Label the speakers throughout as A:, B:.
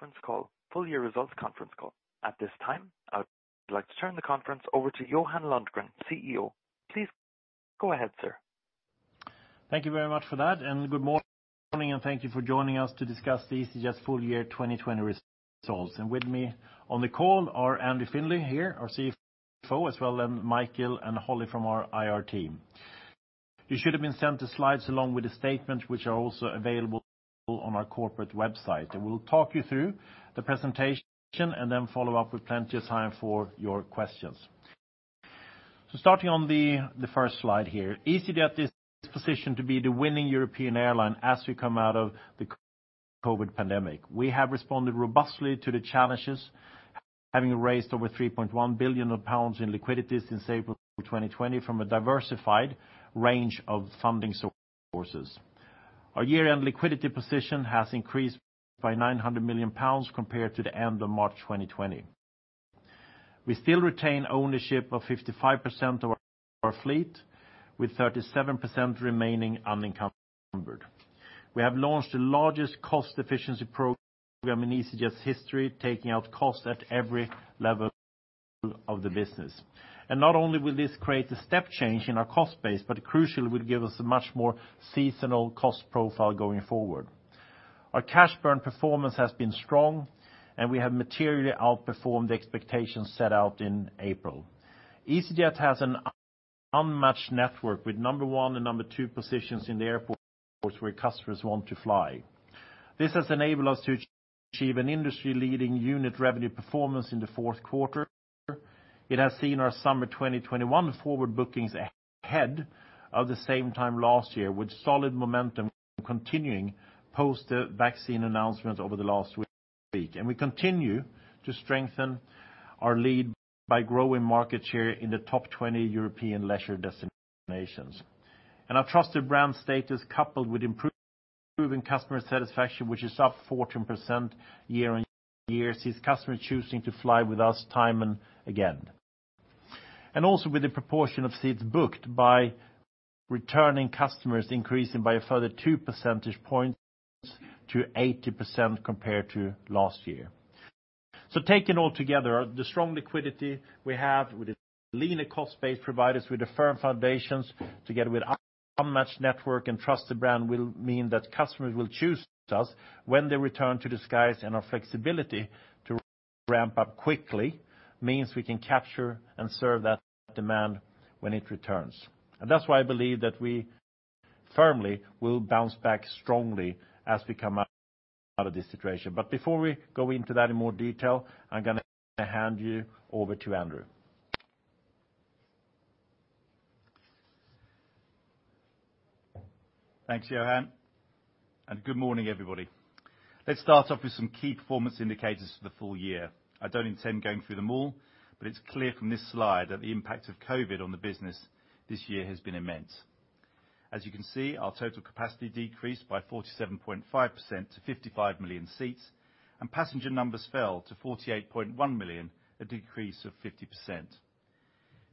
A: Conference call, full year results conference call. At this time, I would like to turn the conference over to Johan Lundgren, CEO. Please go ahead, sir.
B: Thank you very much for that, good morning, and thank you for joining us to discuss the easyJet full year 2020 results. With me on the call are Andrew Findlay here, our CFO, as well then Michael and Holly from our IR team. You should have been sent the slides along with the statement, which are also available on our corporate website. We'll talk you through the presentation and then follow up with plenty of time for your questions. Starting on the first slide here. easyJet is positioned to be the winning European airline as we come out of the COVID pandemic. We have responded robustly to the challenges, having raised over 3.1 billion pounds in liquidities since April 2020 from a diversified range of funding sources. Our year-end liquidity position has increased by 900 million pounds compared to the end of March 2020. We still retain ownership of 55% of our fleet, with 37% remaining unencumbered. We have launched the largest cost efficiency program in easyJet's history, taking out costs at every level of the business. Not only will this create a step change in our cost base, but crucially will give us a much more seasonal cost profile going forward. Our cash burn performance has been strong, and we have materially outperformed the expectations set out in April. easyJet has an unmatched network with number 1 and number 2 positions in the airports where customers want to fly. This has enabled us to achieve an industry-leading unit revenue performance in the fourth quarter. It has seen our summer 2021 forward bookings ahead of the same time last year, with solid momentum continuing post the vaccine announcements over the last week. We continue to strengthen our lead by growing market share in the top 20 European leisure destinations. Our trusted brand status, coupled with improving customer satisfaction, which is up 14% year-on-year, sees customers choosing to fly with us time and again. Also with the proportion of seats booked by returning customers increasing by a further two percentage points to 80% compared to last year. Taken all together, the strong liquidity we have with a leaner cost base provide us with the firm foundations to get with unmatched network and trusted brand will mean that customers will choose us when they return to the skies, and our flexibility to ramp up quickly means we can capture and serve that demand when it returns. That's why I believe that we firmly will bounce back strongly as we come out of this situation. Before we go into that in more detail, I'm going to hand you over to Andrew.
C: Thanks, Johan, and good morning, everybody. Let's start off with some key performance indicators for the full year. I don't intend going through them all, but it's clear from this slide that the impact of COVID on the business this year has been immense. As you can see, our total capacity decreased by 47.5% to 55 million seats, and passenger numbers fell to 48.1 million, a decrease of 50%.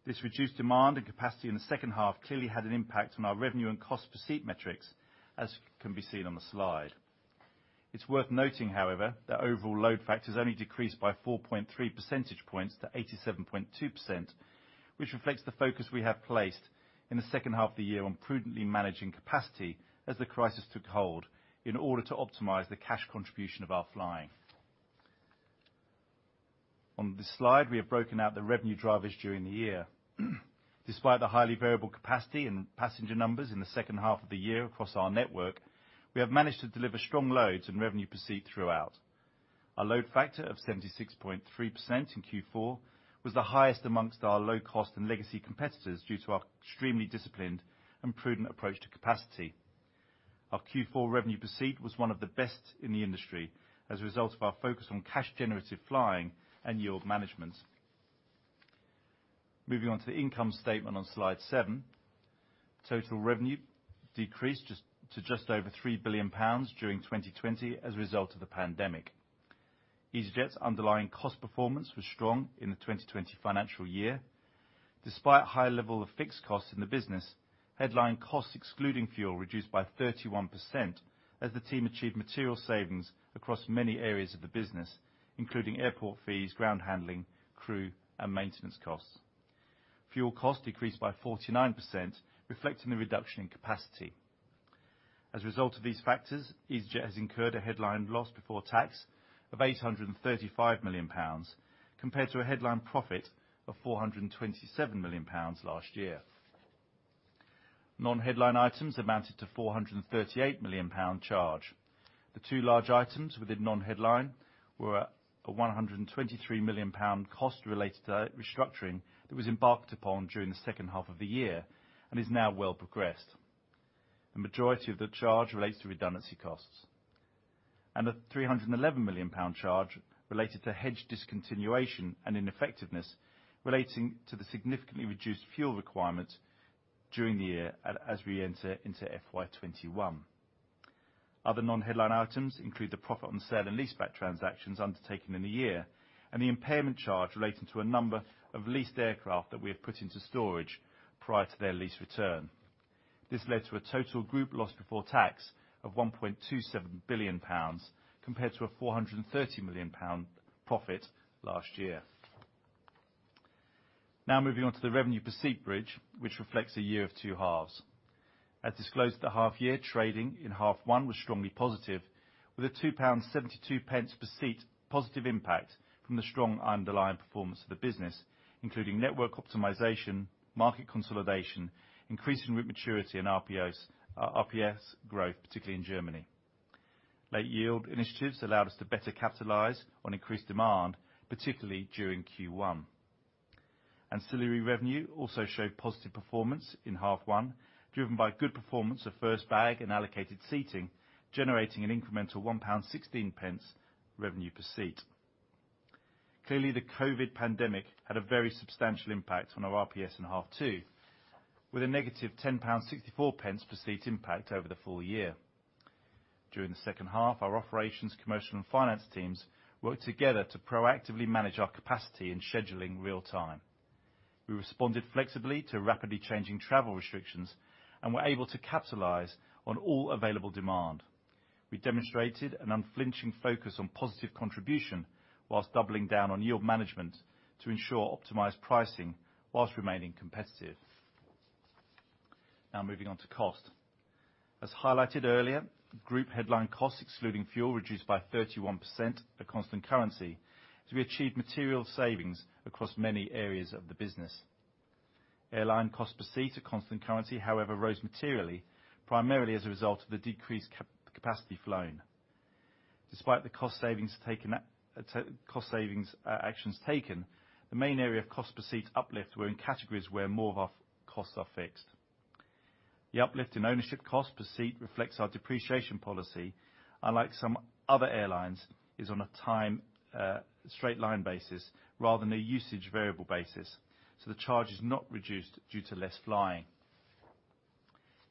C: This reduced demand and capacity in the second half clearly had an impact on our revenue and cost per seat metrics, as can be seen on the slide. It's worth noting, however, that overall load factors only decreased by 4.3 percentage points to 87.2%, which reflects the focus we have placed in the second half of the year on prudently managing capacity as the crisis took hold in order to optimize the cash contribution of our flying. On this slide, we have broken out the revenue drivers during the year. Despite the highly variable capacity and passenger numbers in the second half of the year across our network, we have managed to deliver strong loads and revenue per seat throughout. Our load factor of 76.3% in Q4 was the highest amongst our low-cost and legacy competitors due to our extremely disciplined and prudent approach to capacity. Our Q4 revenue per seat was one of the best in the industry as a result of our focus on cash-generative flying and yield management. Moving on to the income statement on slide seven. Total revenue decreased to just over 3 billion pounds during 2020 as a result of the pandemic. easyJet's underlying cost performance was strong in the 2020 financial year. Despite high level of fixed costs in the business, headline costs excluding fuel reduced by 31% as the team achieved material savings across many areas of the business, including airport fees, ground handling, crew, and maintenance costs. Fuel cost decreased by 49%, reflecting the reduction in capacity. As a result of these factors, easyJet has incurred a headline loss before tax of 835 million pounds compared to a headline profit of 427 million pounds last year. Non-headline items amounted to 438 million pound charge. The two large items within non-headline were a 123 million pound cost related to restructuring that was embarked upon during the second half of the year and is now well progressed. The majority of the charge relates to redundancy costs and a 311 million pound charge related to hedge discontinuation and ineffectiveness relating to the significantly reduced fuel requirement during the year as we enter into FY21. Other non-headline items include the profit on sale and leaseback transactions undertaken in the year and the impairment charge relating to a number of leased aircraft that we have put into storage prior to their lease return. This led to a total group loss before tax of GBP 1.27 billion, compared to a GBP 430 million profit last year. Moving on to the revenue per seat bridge, which reflects a year of two halves. As disclosed at the half year, trading in half one was strongly positive, with a 2.72 pound per seat positive impact from the strong underlying performance of the business, including network optimization, market consolidation, increasing route maturity, and RPS growth, particularly in Germany. Late yield initiatives allowed us to better capitalize on increased demand, particularly during Q1. Ancillary revenue also showed positive performance in half one, driven by good performance of first bag and allocated seating, generating an incremental 1.16 pound revenue per seat. Clearly, the COVID pandemic had a very substantial impact on our RPS in half two, with a negative 10.64 pound per seat impact over the full year. During the second half, our operations, commercial, and finance teams worked together to proactively manage our capacity and scheduling in real time. We responded flexibly to rapidly changing travel restrictions and were able to capitalize on all available demand. We demonstrated an unflinching focus on positive contribution whilst doubling down on yield management to ensure optimized pricing whilst remaining competitive. Now moving on to cost. As highlighted earlier, group headline costs excluding fuel reduced by 31% at constant currency as we achieved material savings across many areas of the business. Airline cost per seat at constant currency, however, rose materially, primarily as a result of the decreased capacity flown. Despite the cost-savings actions taken, the main area of cost per seat uplift were in categories where more of our costs are fixed. The uplift in ownership cost per seat reflects our depreciation policy, unlike some other airlines, is on a straight line basis rather than a usage variable basis, so the charge is not reduced due to less flying.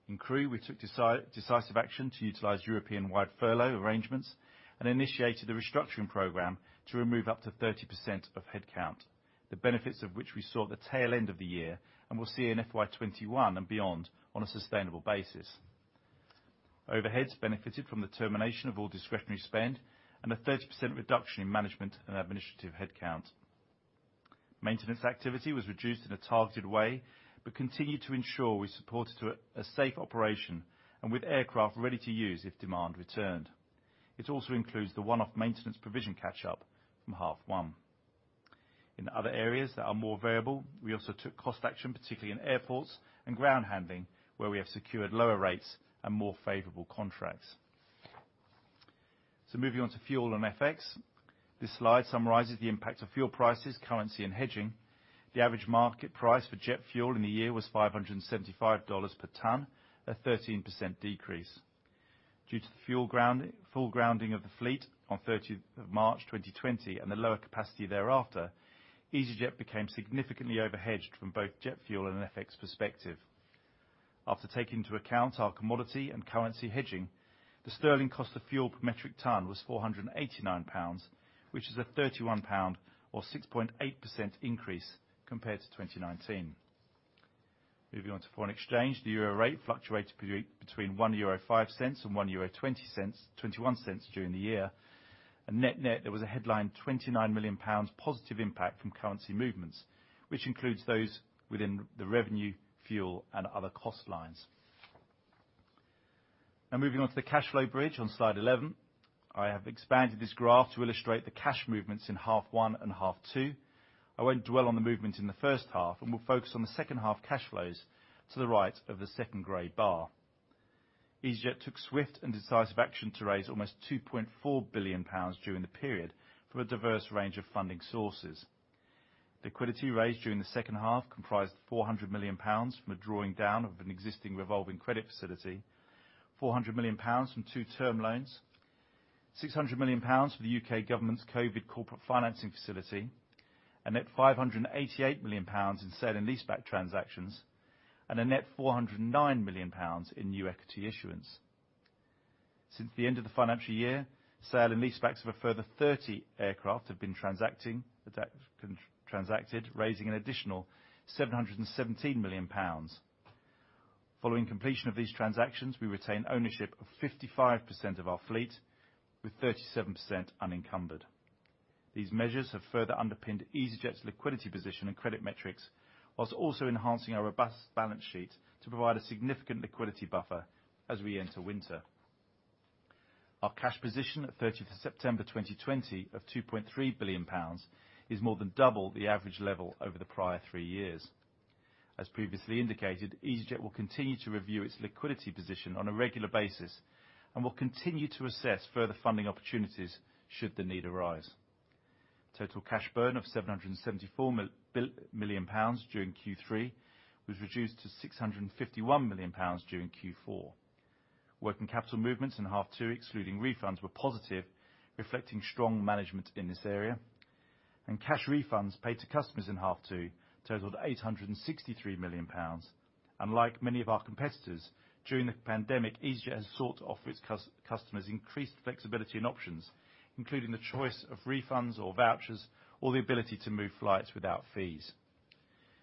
C: In crew, we took decisive action to utilize European-wide furlough arrangements and initiated a restructuring program to remove up to 30% of headcount, the benefits of which we saw at the tail end of the year and will see in FY 2021 and beyond on a sustainable basis. Overheads benefited from the termination of all discretionary spend and a 30% reduction in management and administrative headcount. Maintenance activity was reduced in a targeted way, but continued to ensure we supported a safe operation and with aircraft ready to use if demand returned. It also includes the one-off maintenance provision catch-up from half one. In other areas that are more variable, we also took cost action, particularly in airports and ground handling, where we have secured lower rates and more favorable contracts. Moving on to fuel and FX. This slide summarizes the impact of fuel prices, currency, and hedging. The average market price for jet fuel in the year was $575 per ton, a 13% decrease. Due to the full grounding of the fleet on 30th of March 2020 and the lower capacity thereafter, easyJet became significantly overhedged from both jet fuel and an FX perspective. After taking into account our commodity and currency hedging, the sterling cost of fuel per metric ton was 489 pounds, which is a 31 pound or 6.8% increase compared to 2019. Moving on to foreign exchange. The euro rate fluctuated between 1.05 euro and 1.21 euro during the year. At net-net, there was a headline GBP 29 million positive impact from currency movements, which includes those within the revenue, fuel, and other cost lines. Now moving on to the cash flow bridge on slide 11. I have expanded this graph to illustrate the cash movements in half one and half two. I won't dwell on the movement in the first half and will focus on the second half cash flows to the right of the second gray bar. easyJet took swift and decisive action to raise almost 2.4 billion pounds during the period from a diverse range of funding sources. Liquidity raised during the second half comprised 400 million pounds from a drawing down of an existing revolving credit facility, 400 million pounds from two term loans, 600 million pounds from the U.K. government's COVID Corporate Financing Facility, a net 588 million pounds in sell and leaseback transactions, and a net 409 million pounds in new equity issuance. Since the end of the financial year, sale and leasebacks of a further 30 aircraft have been transacted, raising an additional 717 million pounds. Following completion of these transactions, we retain ownership of 55% of our fleet, with 37% unencumbered. These measures have further underpinned easyJet's liquidity position and credit metrics while also enhancing our robust balance sheet to provide a significant liquidity buffer as we enter winter. Our cash position at 30th of September 2020 of GBP 2.3 billion is more than double the average level over the prior three years. As previously indicated, easyJet will continue to review its liquidity position on a regular basis and will continue to assess further funding opportunities should the need arise. Total cash burn of 774 million pounds during Q3 was reduced to 651 million pounds during Q4. Working capital movements in half two, excluding refunds, were positive, reflecting strong management in this area. Cash refunds paid to customers in half two totaled 863 million pounds. During the pandemic, easyJet has sought to offer its customers increased flexibility and options, including the choice of refunds or vouchers, or the ability to move flights without fees.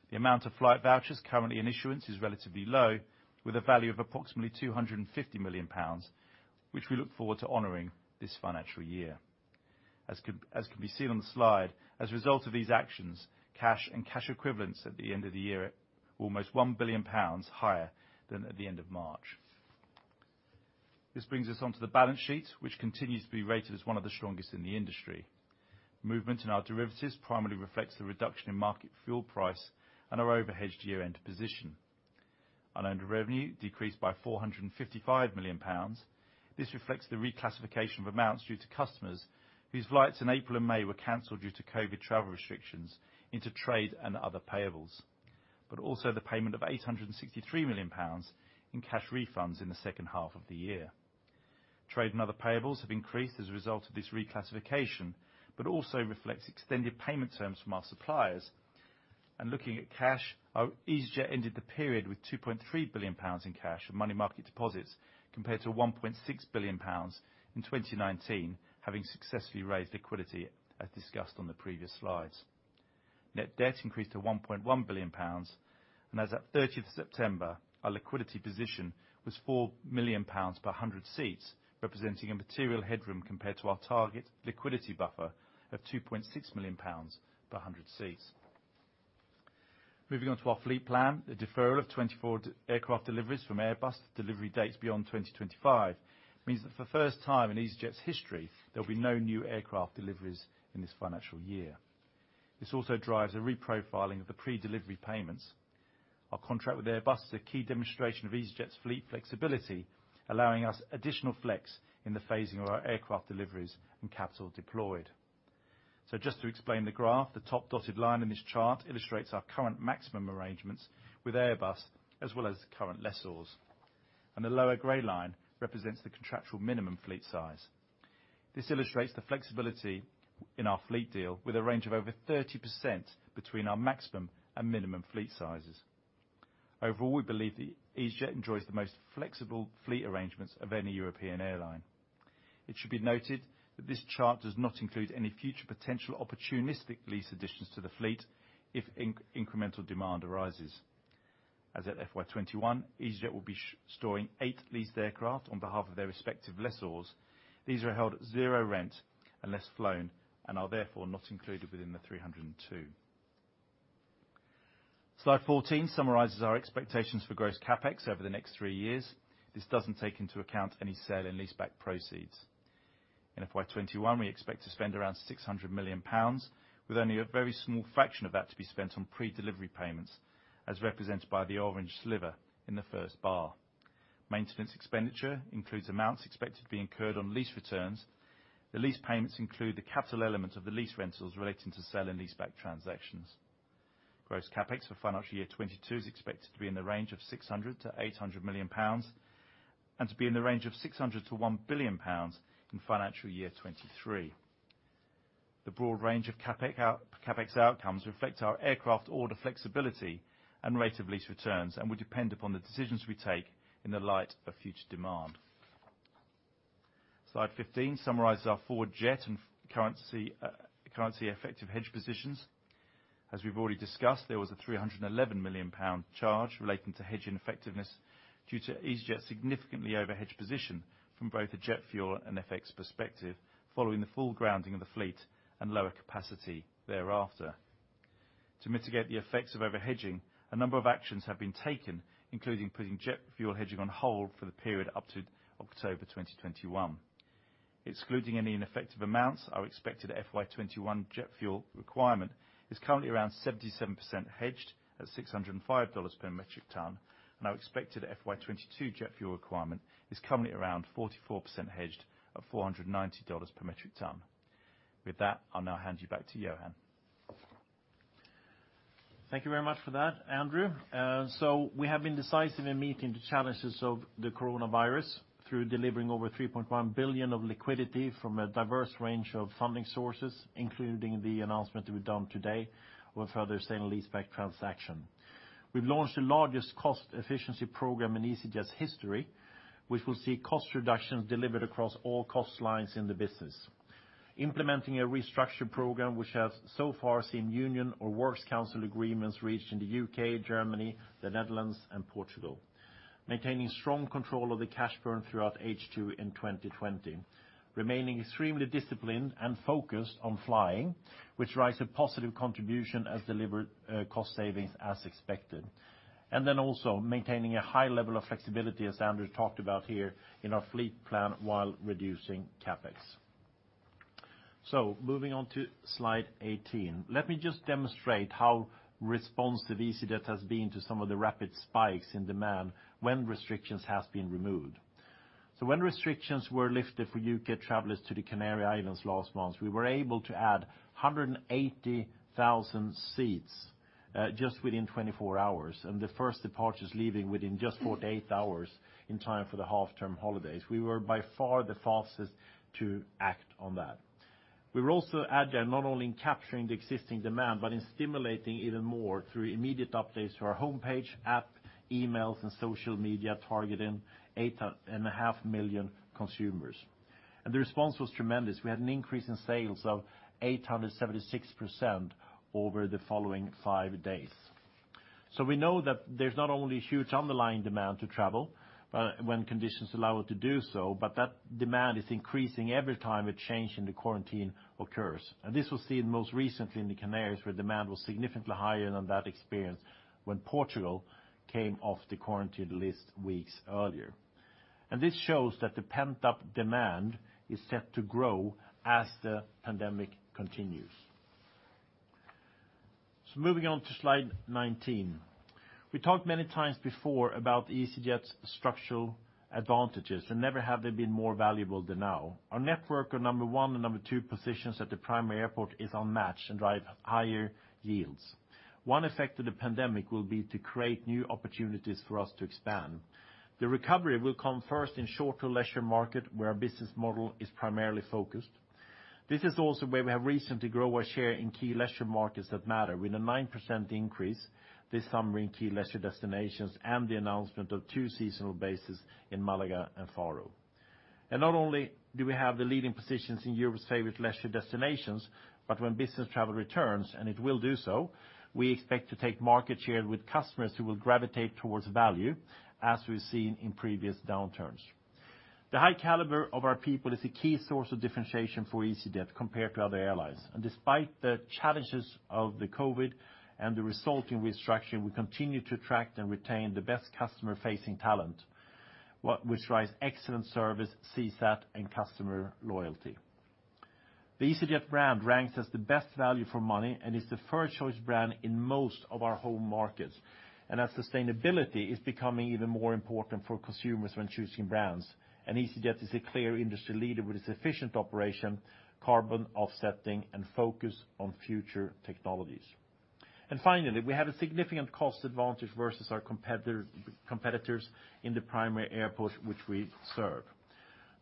C: The amount of flight vouchers currently in issuance is relatively low, with a value of approximately 250 million pounds, which we look forward to honoring this financial year. As can be seen on the slide, as a result of these actions, cash and cash equivalents at the end of the year are almost 1 billion pounds higher than at the end of March. This brings us onto the balance sheet, which continues to be rated as one of the strongest in the industry. Movement in our derivatives primarily reflects the reduction in market fuel price and our over-hedged year-end position. Unearned revenue decreased by 455 million pounds. This reflects the reclassification of amounts due to customers whose flights in April and May were canceled due to COVID travel restrictions into trade and other payables, but also the payment of 863 million pounds in cash refunds in the second half of the year. Trade and other payables have increased as a result of this reclassification, but also reflects extended payment terms from our suppliers. Looking at cash, easyJet ended the period with 2.3 billion pounds in cash and money market deposits, compared to 1.6 billion pounds in 2019, having successfully raised liquidity, as discussed on the previous slides. Net debt increased to 1.1 billion pounds, and as at 30th September, our liquidity position was 4 million pounds per 100 seats, representing a material headroom compared to our target liquidity buffer of 2.6 million pounds per 100 seats. Moving on to our fleet plan. The deferral of 24 aircraft deliveries from Airbus to delivery dates beyond 2025 means that for the first time in easyJet's history, there'll be no new aircraft deliveries in this financial year. This also drives a reprofiling of the pre-delivery payments. Our contract with Airbus is a key demonstration of easyJet's fleet flexibility, allowing us additional flex in the phasing of our aircraft deliveries and capital deployed. Just to explain the graph, the top dotted line in this chart illustrates our current maximum arrangements with Airbus, as well as current lessors. The lower gray line represents the contractual minimum fleet size. This illustrates the flexibility in our fleet deal with a range of over 30% between our maximum and minimum fleet sizes. Overall, we believe that easyJet enjoys the most flexible fleet arrangements of any European airline. It should be noted that this chart does not include any future potential opportunistic lease additions to the fleet if incremental demand arises. As at FY21, easyJet will be storing eight leased aircraft on behalf of their respective lessors. These are held at zero rent unless flown, and are therefore not included within the 302. Slide 14 summarizes our expectations for gross CapEx over the next three years. This doesn't take into account any sale and leaseback proceeds. In FY21, we expect to spend around 600 million pounds, with only a very small fraction of that to be spent on pre-delivery payments, as represented by the orange sliver in the first bar. Maintenance expenditure includes amounts expected to be incurred on lease returns. The lease payments include the capital element of the lease rentals relating to sale and leaseback transactions. Gross CapEx for financial year 2022 is expected to be in the range of 600 million-800 million pounds, and to be in the range of 600 million-1 billion pounds in financial year 2023. The broad range of CapEx outcomes reflect our aircraft order flexibility and rate of lease returns, and will depend upon the decisions we take in the light of future demand. Slide 15 summarizes our forward jet and currency effective hedge positions. As we've already discussed, there was a 311 million pound charge relating to hedge ineffectiveness due to easyJet's significantly over-hedged position from both a jet fuel and FX perspective, following the full grounding of the fleet and lower capacity thereafter. To mitigate the effects of over-hedging, a number of actions have been taken, including putting jet fuel hedging on hold for the period up to October 2021. Excluding any ineffective amounts, our expected FY 2021 jet fuel requirement is currently around 77% hedged at $605 per metric ton, and our expected FY 2022 jet fuel requirement is currently around 44% hedged at $490 per metric ton. With that, I'll now hand you back to Johan.
B: Thank you very much for that, Andrew. We have been decisive in meeting the challenges of the coronavirus through delivering over 3.1 billion of liquidity from a diverse range of funding sources, including the announcement that we've done today with a further sale and leaseback transaction. We've launched the largest cost efficiency program in easyJet's history, which will see cost reductions delivered across all cost lines in the business. Implementing a restructure program, which has so far seen union or works council agreements reached in the U.K., Germany, the Netherlands, and Portugal. Maintaining strong control of the cash burn throughout H2 in 2020. Remaining extremely disciplined and focused on flying, which drives a positive contribution as delivered cost savings as expected. Also maintaining a high level of flexibility, as Andrew talked about here, in our fleet plan while reducing CapEx. Moving on to slide 18. Let me just demonstrate how responsive easyJet has been to some of the rapid spikes in demand when restrictions have been removed. When restrictions were lifted for U.K. travelers to the Canary Islands last month, we were able to add 180,000 seats just within 24 hours, and the first departures leaving within just 48 hours in time for the half-term holidays. We were by far the fastest to act on that. We were also agile not only in capturing the existing demand, but in stimulating even more through immediate updates to our homepage, app, emails, and social media, targeting 8.5 million consumers. The response was tremendous. We had an increase in sales of 876% over the following five days. We know that there's not only huge underlying demand to travel, when conditions allow it to do so, but that demand is increasing every time a change in the quarantine occurs. This was seen most recently in the Canaries, where demand was significantly higher than that experienced when Portugal came off the quarantine list weeks earlier. This shows that the pent-up demand is set to grow as the pandemic continues. Moving on to slide 19. We talked many times before about easyJet's structural advantages, and never have they been more valuable than now. Our network of number one and number two positions at the primary airport is unmatched and drive higher yields. One effect of the pandemic will be to create new opportunities for us to expand. The recovery will come first in shorter leisure market where our business model is primarily focused. This is also where we have recently grown our share in key leisure markets that matter, with a 9% increase this summer in key leisure destinations and the announcement of two seasonal bases in Malaga and Faro. Not only do we have the leading positions in Europe's favorite leisure destinations, but when business travel returns, and it will do so, we expect to take market share with customers who will gravitate towards value, as we've seen in previous downturns. The high caliber of our people is a key source of differentiation for easyJet compared to other airlines. Despite the challenges of the COVID and the resulting restructure, we continue to attract and retain the best customer-facing talent, which drives excellent service, CSAT, and customer loyalty. The easyJet brand ranks as the best value for money and is the first choice brand in most of our home markets. As sustainability is becoming even more important for consumers when choosing brands. easyJet is a clear industry leader with its efficient operation, carbon offsetting, and focus on future technologies. Finally, we have a significant cost advantage versus our competitors in the primary airports which we serve.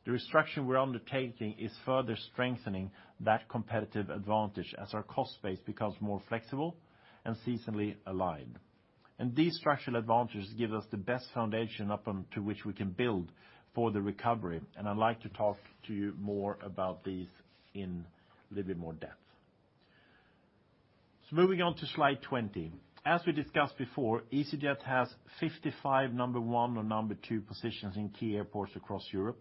B: The restructuring we're undertaking is further strengthening that competitive advantage as our cost base becomes more flexible and seasonally aligned. These structural advantages give us the best foundation upon to which we can build for the recovery, and I'd like to talk to you more about these in a little bit more depth. Moving on to slide 20. As we discussed before, easyJet has 55 number one or number two positions in key airports across Europe,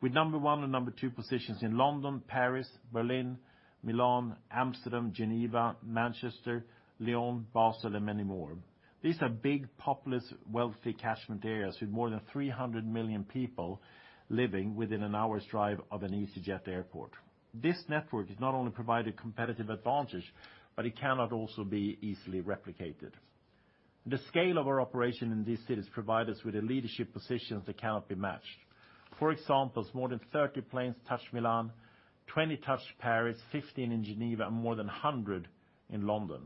B: with number one and number two positions in London, Paris, Berlin, Milan, Amsterdam, Geneva, Manchester, Lyon, Basel, and many more. These are big, populous, wealthy catchment areas with more than 300 million people living within an hour's drive of an easyJet airport. This network has not only provided competitive advantage, but it cannot also be easily replicated. The scale of our operation in these cities provide us with leadership positions that cannot be matched. For example, more than 30 planes touch Milan, 20 touch Paris, 15 in Geneva, and more than 100 in London.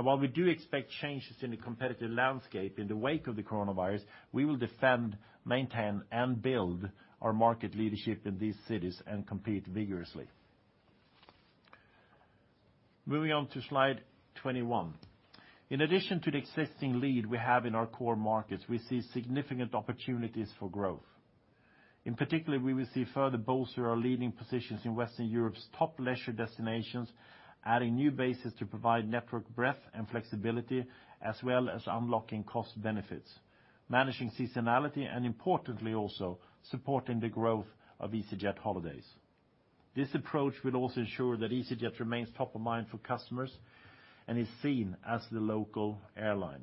B: While we do expect changes in the competitive landscape in the wake of the coronavirus, we will defend, maintain, and build our market leadership in these cities and compete vigorously. Moving on to slide 21. In addition to the existing lead we have in our core markets, we see significant opportunities for growth. In particular, we will see further bolster our leading positions in Western Europe's top leisure destinations, adding new bases to provide network breadth and flexibility, as well as unlocking cost benefits, managing seasonality, and importantly also, supporting the growth of easyJet holidays. This approach will also ensure that easyJet remains top of mind for customers and is seen as the local airline.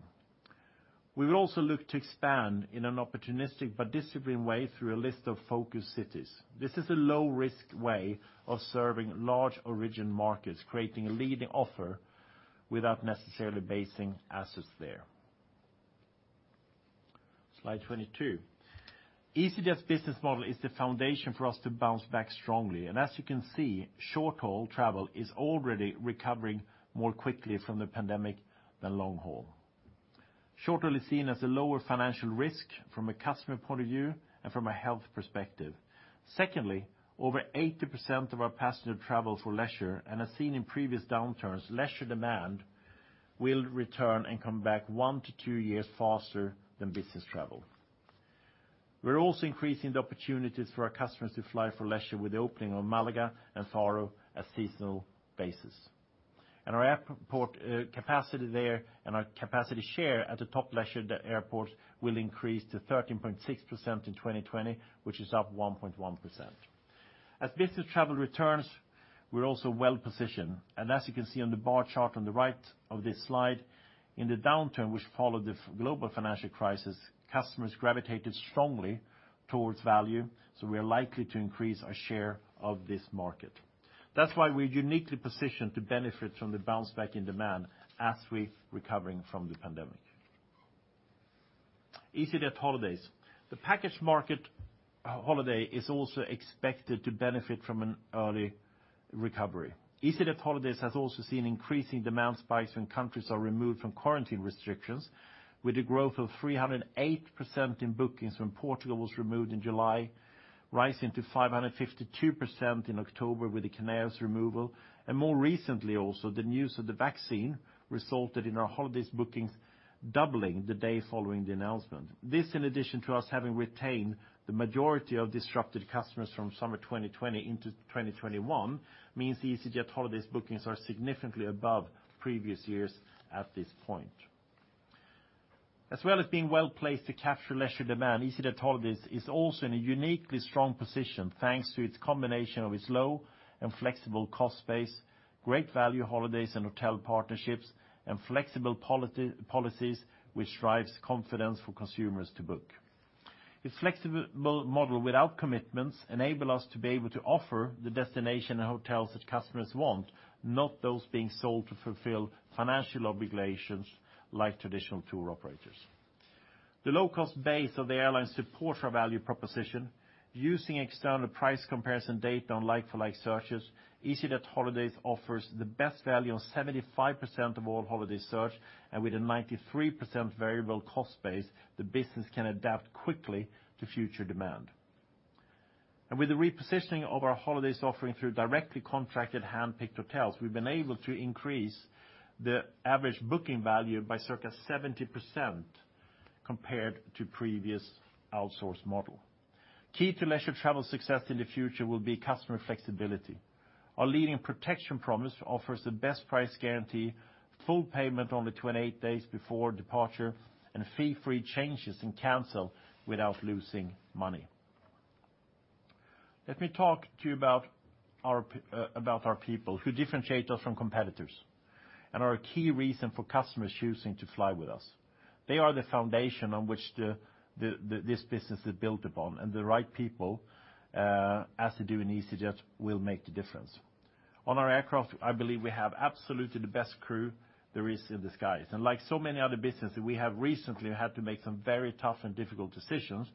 B: We will also look to expand in an opportunistic but disciplined way through a list of focus cities. This is a low-risk way of serving large origin markets, creating a leading offer without necessarily basing assets there. Slide 22. easyJet's business model is the foundation for us to bounce back strongly. As you can see, short-haul travel is already recovering more quickly from the pandemic than long haul. Short haul is seen as a lower financial risk from a customer point of view and from a health perspective. Secondly, over 80% of our passenger travel for leisure and as seen in previous downturns, leisure demand will return and come back one to two years faster than business travel. Our airport capacity there and our capacity share at the top leisure airports will increase to 13.6% in 2020, which is up 1.1%. As business travel returns, we're also well positioned, and as you can see on the bar chart on the right of this slide, in the downturn which followed the global financial crisis, customers gravitated strongly towards value, so we are likely to increase our share of this market. That's why we're uniquely positioned to benefit from the bounce back in demand as we're recovering from the pandemic. easyJet holidays. The package market holiday is also expected to benefit from an early recovery. easyJet holidays has also seen increasing demand spikes when countries are removed from quarantine restrictions, with a growth of 308% in bookings when Portugal was removed in July, rising to 552% in October with the Canaries removal. More recently, also, the news of the vaccine resulted in our holidays bookings doubling the day following the announcement. This, in addition to us having retained the majority of disrupted customers from summer 2020 into 2021, means easyJet holidays bookings are significantly above previous years at this point. As well as being well-placed to capture leisure demand, easyJet holidays is also in a uniquely strong position, thanks to its combination of its low and flexible cost base, great value holidays and hotel partnerships, and flexible policies, which drives confidence for consumers to book. Its flexible model without commitments enable us to be able to offer the destination and hotels that customers want, not those being sold to fulfill financial obligations like traditional tour operators. The low-cost base of the airline supports our value proposition. Using external price comparison data on like-for-like searches, easyJet holidays offers the best value on 75% of all holiday search. With a 93% variable cost base, the business can adapt quickly to future demand. With the repositioning of our holidays offering through directly contracted handpicked hotels, we've been able to increase the average booking value by circa 70% compared to previous outsource model. Key to leisure travel success in the future will be customer flexibility. Our leading protection promise offers the best price guarantee, full payment only 28 days before departure, and fee-free changes and cancel without losing money. Let me talk to you about our people who differentiate us from competitors and are a key reason for customers choosing to fly with us. They are the foundation on which this business is built upon, and the right people, as they do in easyJet, will make the difference. On our aircraft, I believe we have absolutely the best crew there is in the skies. Like so many other businesses, we have recently had to make some very tough and difficult decisions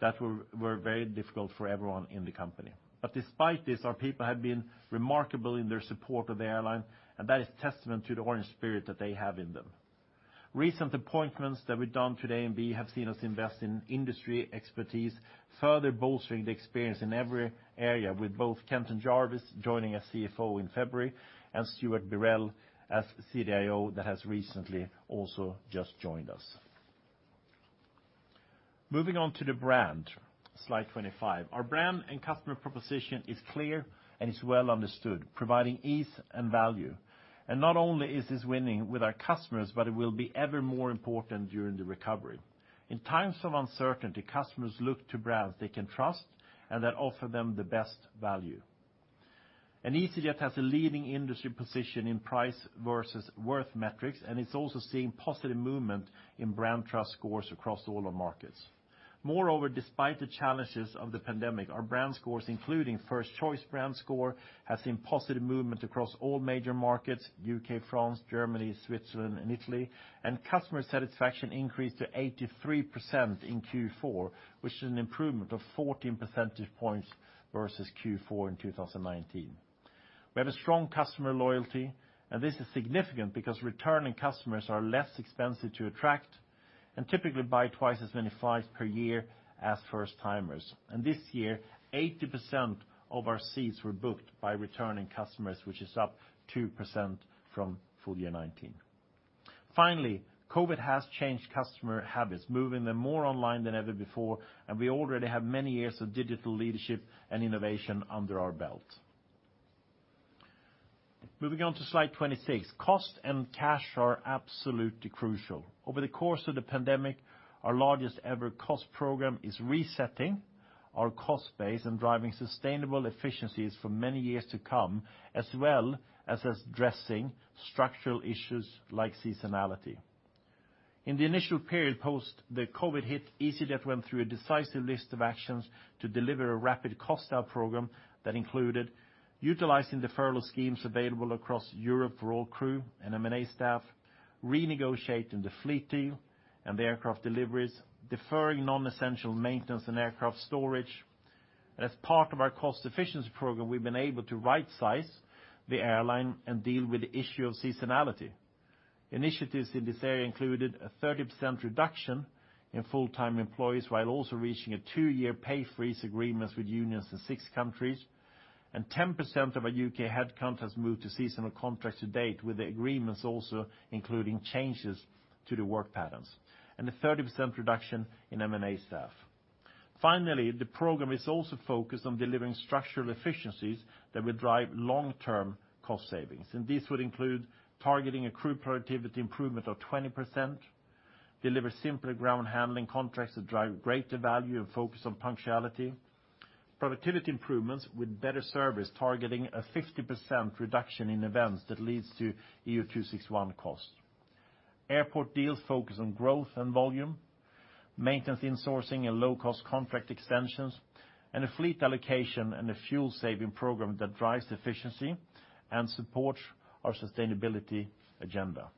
B: that were very difficult for everyone in the company. Despite this, our people have been remarkable in their support of the airline, and that is testament to the orange spirit that they have in them. Recent appointments that we've done to AMB have seen us invest in industry expertise, further bolstering the experience in every area with both Kenton Jarvis joining as CFO in February and Stuart Birrell as CDIO that has recently also just joined us. Moving on to the brand. Slide 25. Our brand and customer proposition is clear and is well understood, providing ease and value. Not only is this winning with our customers, but it will be ever more important during the recovery. In times of uncertainty, customers look to brands they can trust and that offer them the best value. easyJet has a leading industry position in price versus worth metrics, and it's also seeing positive movement in brand trust scores across all our markets. Moreover, despite the challenges of the pandemic, our brand scores, including first choice brand score, has seen positive movement across all major markets, U.K., France, Germany, Switzerland, and Italy. Customer satisfaction increased to 83% in Q4, which is an improvement of 14 percentage points versus Q4 in 2019. We have a strong customer loyalty, and this is significant because returning customers are less expensive to attract and typically buy twice as many flights per year as first-timers. This year, 80% of our seats were booked by returning customers, which is up 2% from full year 2019. Finally, COVID has changed customer habits, moving them more online than ever before, and we already have many years of digital leadership and innovation under our belt. Moving on to slide 26. Cost and cash are absolutely crucial. Over the course of the pandemic, our largest ever cost program is resetting our cost base and driving sustainable efficiencies for many years to come, as well as addressing structural issues like seasonality. In the initial period post the COVID hit, easyJet went through a decisive list of actions to deliver a rapid cost out program that included utilizing the furlough schemes available across Europe for all crew and M&A staff, renegotiating the fleet deal and the aircraft deliveries, deferring non-essential maintenance and aircraft storage. As part of our cost efficiency program, we've been able to rightsize the airline and deal with the issue of seasonality. Initiatives in this area included a 30% reduction in full-time employees while also reaching a two-year pay freeze agreements with unions in six countries. 10% of our U.K. headcount has moved to seasonal contracts to date with the agreements also including changes to the work patterns. A 30% reduction in M&A staff. Finally, the program is also focused on delivering structural efficiencies that will drive long-term cost savings. These would include targeting a crew productivity improvement of 20%, deliver simpler ground handling contracts that drive greater value and focus on punctuality. Productivity improvements with better service targeting a 50% reduction in events that leads to EU 261 cost. Airport deals focus on growth and volume, maintenance insourcing and low cost contract extensions, and a fleet allocation and a fuel saving program that drives efficiency and supports our sustainability agenda.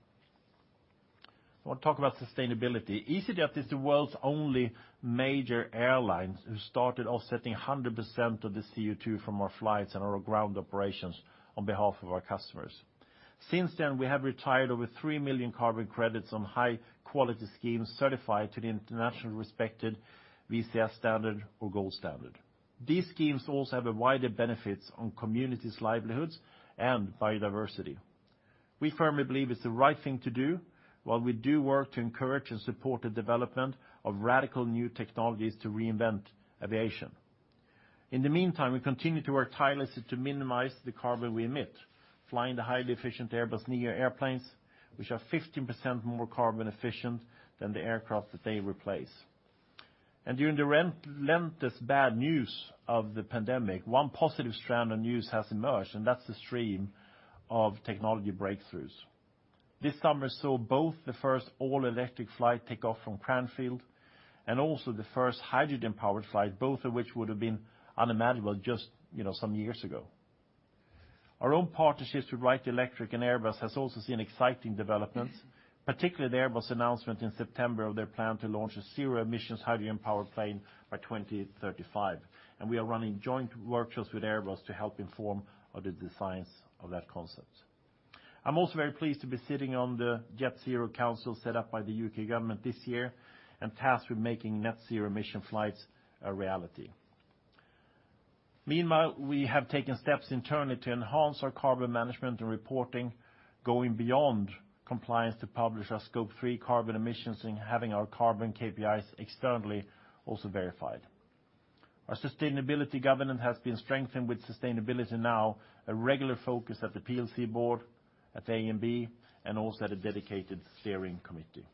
B: I want to talk about sustainability. easyJet is the world's only major airline who started offsetting 100% of the CO2 from our flights and our ground operations on behalf of our customers. Since then, we have retired over 3 million carbon credits on high-quality schemes certified to the internationally respected VCS standard or gold standard. These schemes also have wider benefits on communities' livelihoods and biodiversity. We firmly believe it's the right thing to do, while we do work to encourage and support the development of radical new technologies to reinvent aviation. In the meantime, we continue to work tirelessly to minimize the carbon we emit, flying the highly efficient Airbus NEO airplanes, which are 15% more carbon efficient than the aircraft that they replace. During the lengthiest bad news of the pandemic, one positive strand of news has emerged, and that's the stream of technology breakthroughs. This summer saw both the first all-electric flight take off from Cranfield, and also the first hydrogen-powered flight, both of which would've been unimaginable just some years ago. Our own partnerships with Wright Electric and Airbus has also seen exciting developments, particularly the Airbus announcement in September of their plan to launch a zero-emissions hydrogen-powered plane by 2035. We are running joint workshops with Airbus to help inform of the designs of that concept. I'm also very pleased to be sitting on the Jet Zero Council set up by the U.K. government this year and tasked with making net zero emission flights a reality. Meanwhile, we have taken steps internally to enhance our carbon management and reporting, going beyond compliance to publish our Scope 3 carbon emissions and having our carbon KPIs externally also verified. Our sustainability governance has been strengthened, with sustainability now a regular focus of the PLC board, at the AMB, and also at a dedicated steering committee.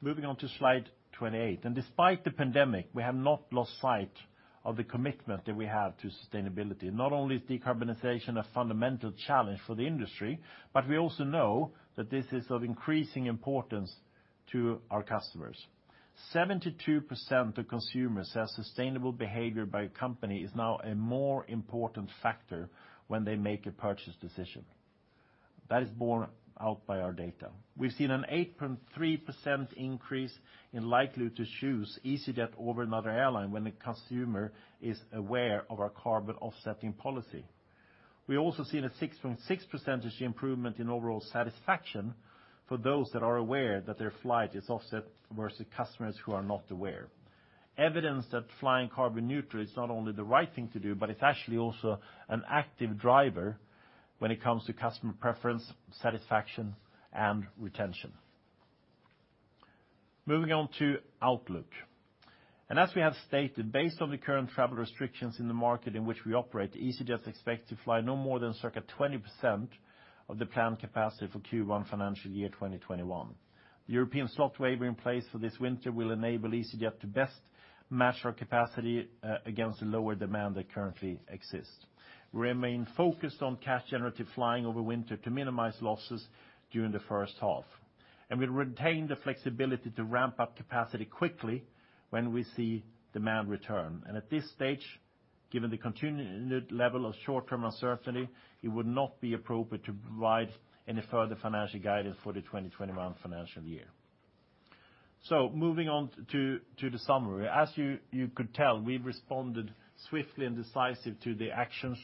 B: Moving on to slide 28. Despite the pandemic, we have not lost sight of the commitment that we have to sustainability. Not only is decarbonization a fundamental challenge for the industry, but we also know that this is of increasing importance to our customers. 72% of consumers say sustainable behavior by a company is now a more important factor when they make a purchase decision. That is borne out by our data. We've seen an 8.3% increase in likelihood to choose easyJet over another airline when a consumer is aware of our carbon offsetting policy. We also seen a 6.6 percentage improvement in overall satisfaction for those that are aware that their flight is offset versus customers who are not aware. Evidence that flying carbon neutral is not only the right thing to do, but it's actually also an active driver when it comes to customer preference, satisfaction, and retention. Moving on to outlook. As we have stated, based on the current travel restrictions in the market in which we operate, easyJet is expected to fly no more than circa 20% of the planned capacity for Q1 financial year 2021. The European slot waiver in place for this winter will enable easyJet to best match our capacity against the lower demand that currently exists. We remain focused on cash-generative flying over winter to minimize losses during the first half. We'll retain the flexibility to ramp up capacity quickly when we see demand return. At this stage, given the continued level of short-term uncertainty, it would not be appropriate to provide any further financial guidance for the 2021 financial year. Moving on to the summary. As you could tell, we've responded swiftly and decisive to the actions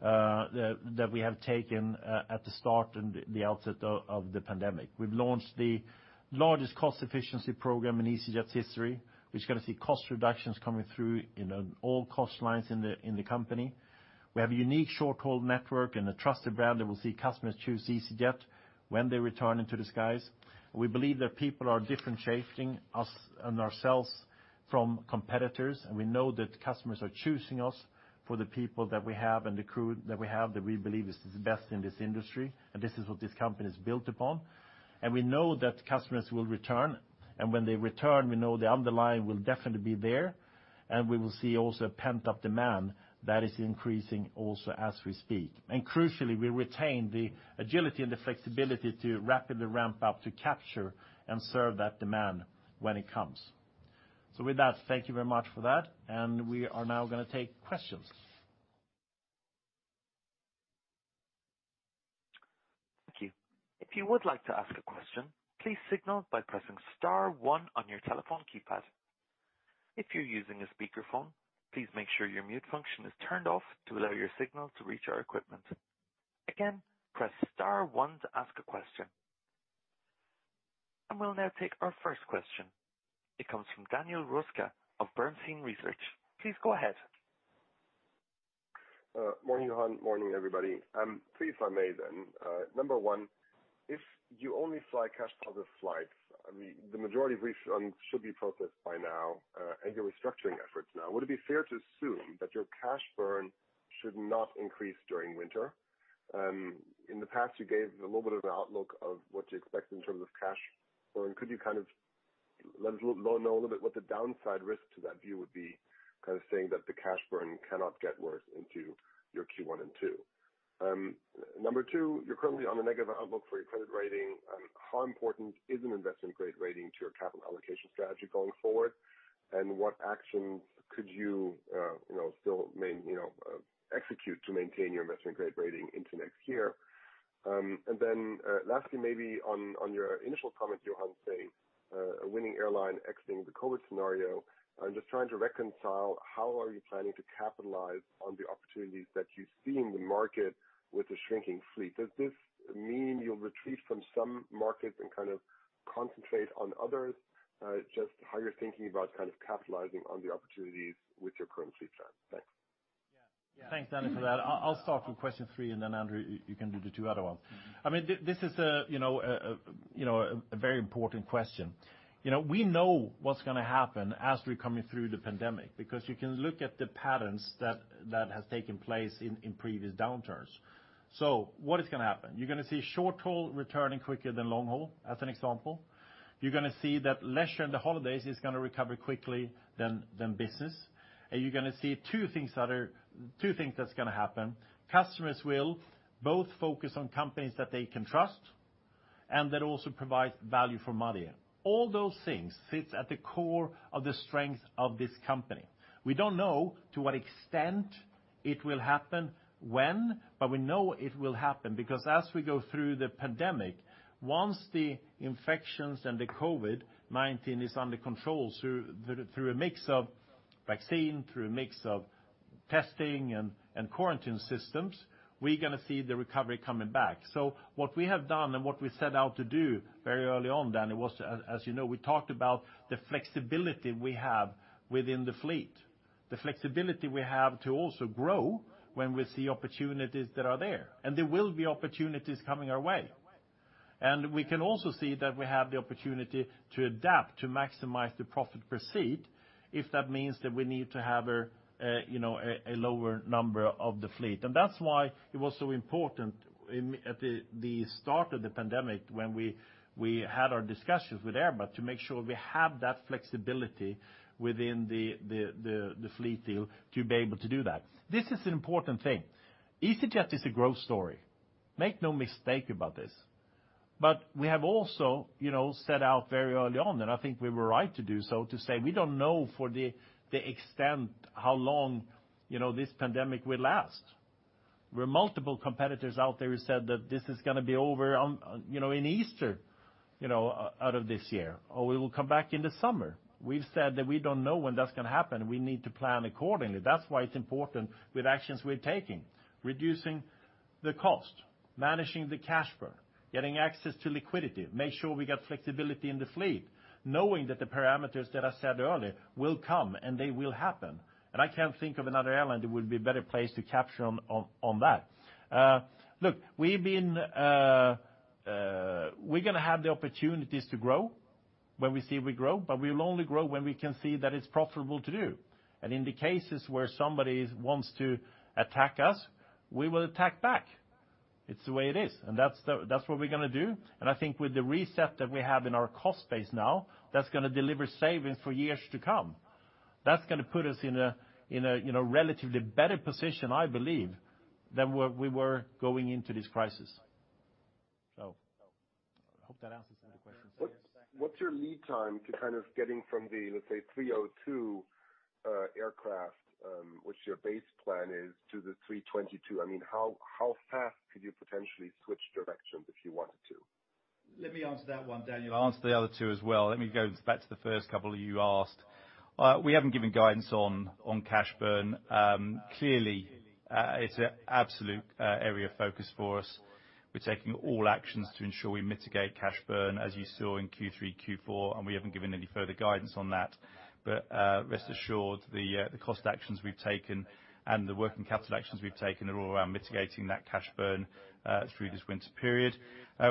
B: that we have taken at the start and the outset of the pandemic. We've launched the largest cost efficiency program in easyJet's history, which is going to see cost reductions coming through in all cost lines in the company. We have a unique short-haul network and a trusted brand that will see customers choose easyJet when they return into the skies. We believe that people are differentiating us and ourselves from competitors, and we know that customers are choosing us for the people that we have and the crew that we have that we believe is the best in this industry. This is what this company is built upon. We know that customers will return, and when they return, we know the underlying will definitely be there. We will see also a pent-up demand that is increasing also as we speak. Crucially, we retain the agility and the flexibility to rapidly ramp up to capture and serve that demand when it comes. With that, thank you very much for that, and we are now going to take questions.
A: Thank you. We'll now take our first question. It comes from Daniel Röska of Bernstein Research. Please go ahead.
D: Morning, Johan. Morning, everybody. Please, if I may, then, number 1, if you only fly cash-positive flights, the majority of refunds should be processed by now, and your restructuring efforts now. Would it be fair to assume that your cash burn should not increase during winter? In the past, you gave a little bit of an outlook of what to expect in terms of cash burn. Could you kind of let us know a little bit what the downside risk to that view would be, saying that the cash burn cannot get worse into your Q1 and Q2? Number 2, you're currently on a negative outlook for your credit rating. How important is an investment-grade rating to your capital allocation strategy going forward? What actions could you still execute to maintain your investment-grade rating into next year? Lastly, maybe on your initial comment, Johan, saying a winning airline exiting the COVID scenario, I'm just trying to reconcile how are you planning to capitalize on the opportunities that you see in the market with the shrinking fleet? Does this mean you'll retreat from some markets and kind of concentrate on others? Just how you're thinking about kind of capitalizing on the opportunities with your current fleet plan? Thanks.
B: Yeah.
C: Yeah.
B: Thanks, Danny, for that. I'll start from question 3, and then Andrew, you can do the 2 other ones. This is a very important question. We know what's going to happen as we're coming through the pandemic, because you can look at the patterns that has taken place in previous downturns. What is going to happen? You're going to see short-haul returning quicker than long-haul, as an example. You're going to see that leisure and the easyJet holidays is going to recover quickly than business. You're going to see 2 things that's going to happen. Customers will both focus on companies that they can trust and that also provides value for money. All those things sits at the core of the strength of this company. We don't know to what extent it will happen, when, but we know it will happen, because as we go through the pandemic, once the infections and the COVID-19 is under control through a mix of vaccine, through a mix of testing and quarantine systems, we're going to see the recovery coming back. What we have done and what we set out to do very early on, Danny, was, as you know, we talked about the flexibility we have within the fleet. The flexibility we have to also grow when we see opportunities that are there, and there will be opportunities coming our way. We can also see that we have the opportunity to adapt, to maximize the profit per seat, if that means that we need to have a lower number of the fleet. That's why it was so important at the start of the pandemic, when we had our discussions with Airbus, to make sure we have that flexibility within the fleet deal to be able to do that. This is an important thing. easyJet is a growth story. Make no mistake about this. We have also set out very early on, and I think we were right to do so, to say we don't know for the extent how long this pandemic will last. There were multiple competitors out there who said that this is going to be over in Easter out of this year, or we will come back in the summer. We've said that we don't know when that's going to happen. We need to plan accordingly. That's why it's important with actions we're taking, reducing the cost, managing the cash burn, getting access to liquidity, make sure we got flexibility in the fleet, knowing that the parameters that I said earlier will come and they will happen. I can't think of another airline that would be better placed to capture on that. Look, we're going to have the opportunities to grow when we see we grow, but we will only grow when we can see that it's profitable to do. In the cases where somebody wants to attack us, we will attack back. It's the way it is. That's what we're going to do. I think with the reset that we have in our cost base now, that's going to deliver savings for years to come. That's going to put us in a relatively better position, I believe, than where we were going into this crisis. I hope that answers that question.
D: What's your lead time to kind of getting from the, let's say 302 aircraft, which your base plan is to the 322? How fast could you potentially switch directions if you wanted to?
C: Let me answer that one, Daniel. I'll answer the other two as well. Let me go back to the first couple you asked. We haven't given guidance on cash burn. Clearly, it's an absolute area of focus for us. We're taking all actions to ensure we mitigate cash burn, as you saw in Q3, Q4, we haven't given any further guidance on that. Rest assured, the cost actions we've taken and the working capital actions we've taken are all around mitigating that cash burn through this winter period.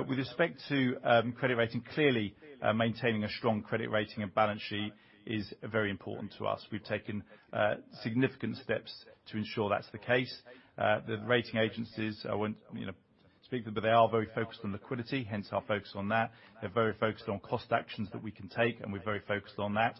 C: With respect to credit rating, clearly maintaining a strong credit rating and balance sheet is very important to us. We've taken significant steps to ensure that's the case. The rating agencies, I won't speak of them, but they are very focused on liquidity, hence our focus on that. They're very focused on cost actions that we can take, and we're very focused on that.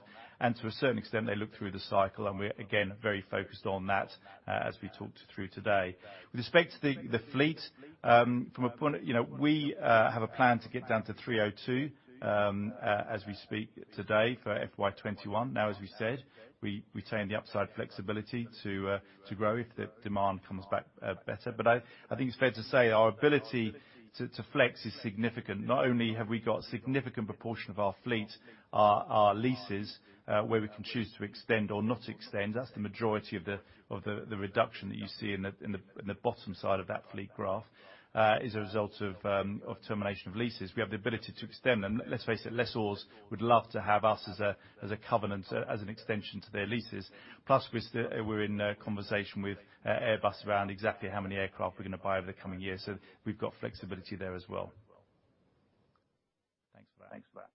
C: To a certain extent, they look through the cycle and we're, again, very focused on that as we talked through today. With respect to the fleet, we have a plan to get down to 302 as we speak today for FY 2021. Now, as we said, we retain the upside flexibility to grow if the demand comes back better. I think it's fair to say our ability to flex is significant. Not only have we got significant proportion of our fleet are leases where we can choose to extend or not extend. That's the majority of the reduction that you see in the bottom side of that fleet graph is a result of termination of leases. We have the ability to extend, and let's face it, lessors would love to have us as a covenant, as an extension to their leases. We're in conversation with Airbus around exactly how many aircraft we're going to buy over the coming years. We've got flexibility there as well.
D: Thanks for that.
C: Thanks for that.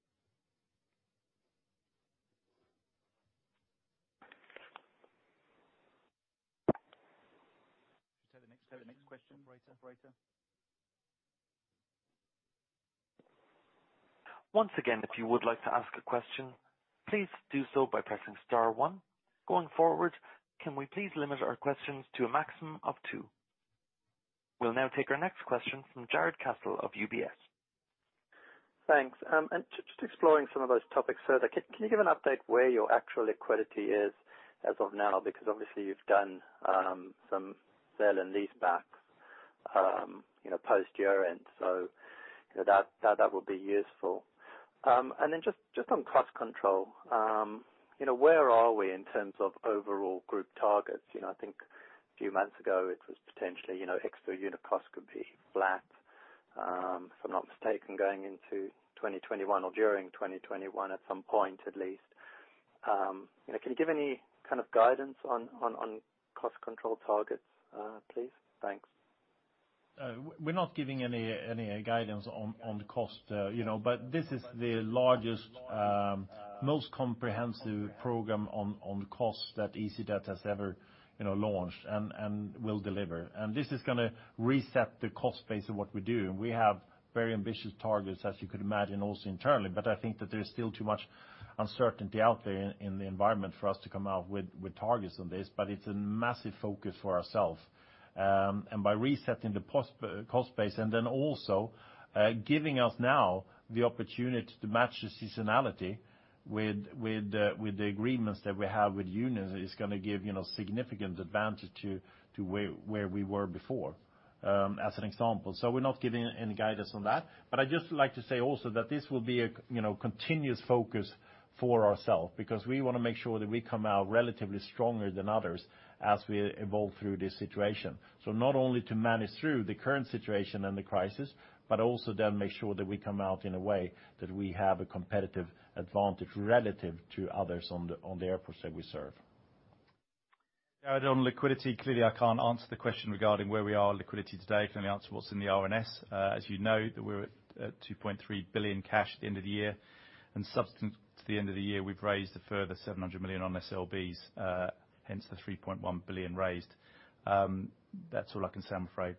B: Should we take the next question operator?
A: Once again, if you would like to ask a question, please do so by pressing star one. Going forward, can we please limit our questions to a maximum of two? We'll now take our next question from Jarrod Castle of UBS.
E: Thanks. Just exploring some of those topics further, can you give an update where your actual liquidity is as of now? Obviously you've done some sell and lease back post year-end, so that would be useful. Just on cost control, where are we in terms of overall group targets? I think a few months ago it was potentially extra unit cost could be flat, if I'm not mistaken, going into 2021 or during 2021 at some point at least. Can you give any kind of guidance on cost control targets, please? Thanks.
B: We're not giving any guidance on cost. This is the largest, most comprehensive program on cost that easyJet has ever launched and will deliver. This is going to reset the cost base of what we do. We have very ambitious targets, as you could imagine, also internally. I think that there's still too much uncertainty out there in the environment for us to come out with targets on this. It's a massive focus for ourselves. By resetting the cost base and then also giving us now the opportunity to match the seasonality with the agreements that we have with unions is going to give significant advantage to where we were before, as an example. We're not giving any guidance on that. I'd just like to say also that this will be a continuous focus for ourselves, because we want to make sure that we come out relatively stronger than others as we evolve through this situation. Not only to manage through the current situation and the crisis, but also then make sure that we come out in a way that we have a competitive advantage relative to others on the airports that we serve.
C: Jarrod, on liquidity, clearly I can't answer the question regarding where we are on liquidity today. I can only answer what's in the RNS. As you know, that we're at 2.3 billion cash at the end of the year. Subsequent to the end of the year, we've raised a further 700 million on SLBs, hence the 3.1 billion raised. That's all I can say, I'm afraid.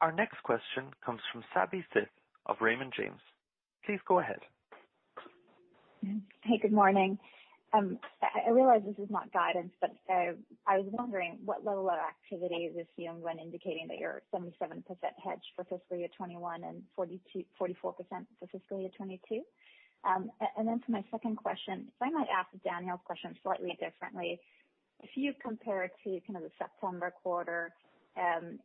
A: Our next question comes from Savanthi Syth of Raymond James. Please go ahead.
F: Hey, good morning. I realize this is not guidance. I was wondering what level of activity is assumed when indicating that you're 77% hedged for FY 2021 and 44% for FY 2022. For my second question, if I might ask Daniel's question slightly differently, if you compare it to the September quarter, in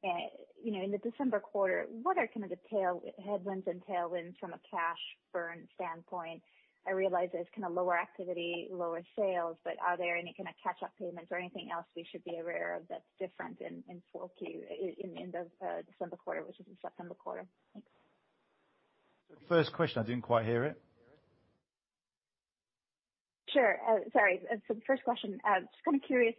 F: the December quarter, what are the headwinds and tailwinds from a cash burn standpoint? I realize there's lower activity, lower sales, but are there any kind of catch-up payments or anything else we should be aware of that's different in 4Q, in the December quarter versus the September quarter? Thanks.
C: Sorry, first question, I didn't quite hear it.
F: Sure. Sorry. The first question, just kind of curious,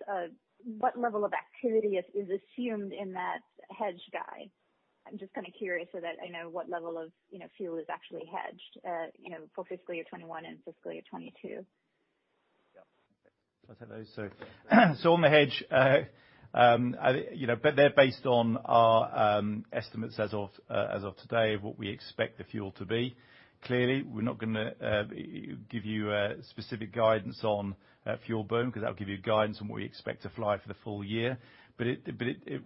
F: what level of activity is assumed in that hedge guide? I'm just curious so that I know what level of fuel is actually hedged for FY 2021 and FY 2022.
C: I'll take those. On the hedge, they're based on our estimates as of today, what we expect the fuel to be. Clearly, we're not going to give you a specific guidance on fuel burn because that would give you guidance on what we expect to fly for the full year. It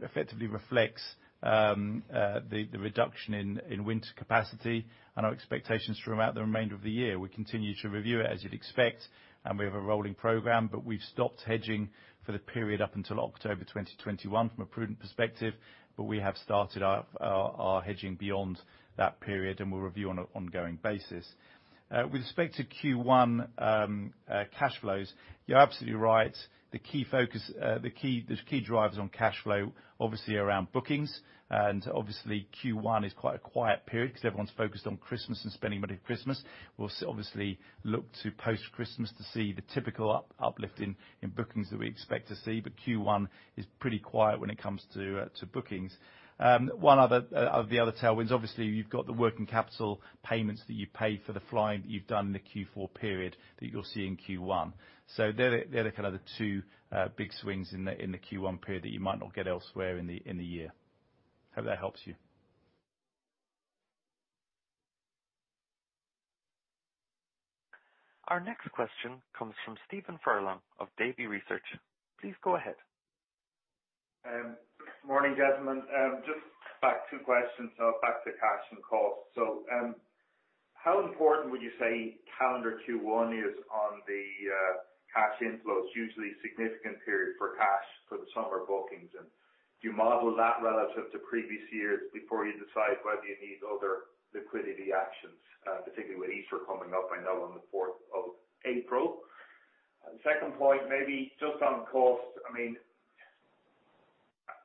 C: effectively reflects the reduction in winter capacity and our expectations throughout the remainder of the year. We continue to review it, as you'd expect, and we have a rolling program. We've stopped hedging for the period up until October 2021 from a prudent perspective, but we have started our hedging beyond that period, and we'll review on an ongoing basis. With respect to Q1 cash flows, you're absolutely right. The key drivers on cash flow, obviously, are around bookings. Obviously Q1 is quite a quiet period because everyone's focused on Christmas and spending money at Christmas. We'll obviously look to post-Christmas to see the typical uplift in bookings that we expect to see, but Q1 is pretty quiet when it comes to bookings. One of the other tailwinds, obviously, you've got the working capital payments that you pay for the flying that you've done in the Q4 period that you'll see in Q1. There are the two big swings in the Q1 period that you might not get elsewhere in the year. Hope that helps you.
A: Our next question comes from Stephen Furlong of Davy Research. Please go ahead.
G: Morning, gentlemen. Just back, two questions. Back to cash and costs. How important would you say calendar Q1 is on the cash inflows? Usually a significant period for cash for the summer bookings. Do you model that relative to previous years before you decide whether you need other liquidity actions, particularly with Easter coming up I know on the 4th of April? Second point, maybe just on cost. I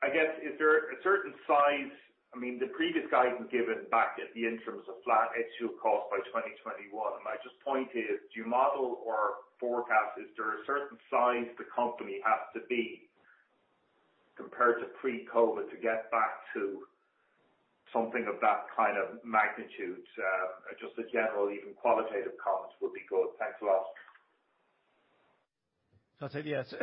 G: guess, is there a certain size? The previous guidance given back at the interims of flat head to cost by 2021. My point is, do you model or forecast, is there a certain size the company has to be compared to pre-COVID to get back to something of that kind of magnitude? Just a general, even qualitative comment would be good. Thanks a lot.
C: Yes.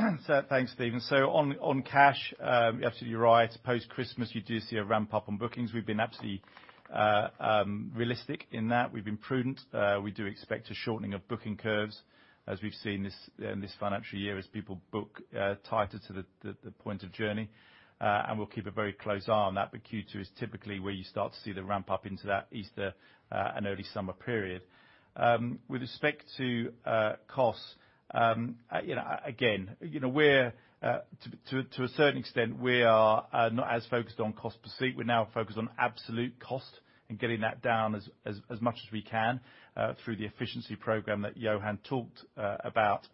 C: Thanks, Stephen. On cash, you're absolutely right. Post-Christmas, you do see a ramp-up on bookings. We've been absolutely realistic in that. We've been prudent. We do expect a shortening of booking curves, as we've seen in this financial year, as people book tighter to the point of journey. We'll keep a very close eye on that, Q2 is typically where you start to see the ramp-up into that Easter and early summer period. With respect to costs, to a certain extent, we are not as focused on cost per seat. We're now focused on absolute cost and getting that down as much as we can through the efficiency program that Johan talked about,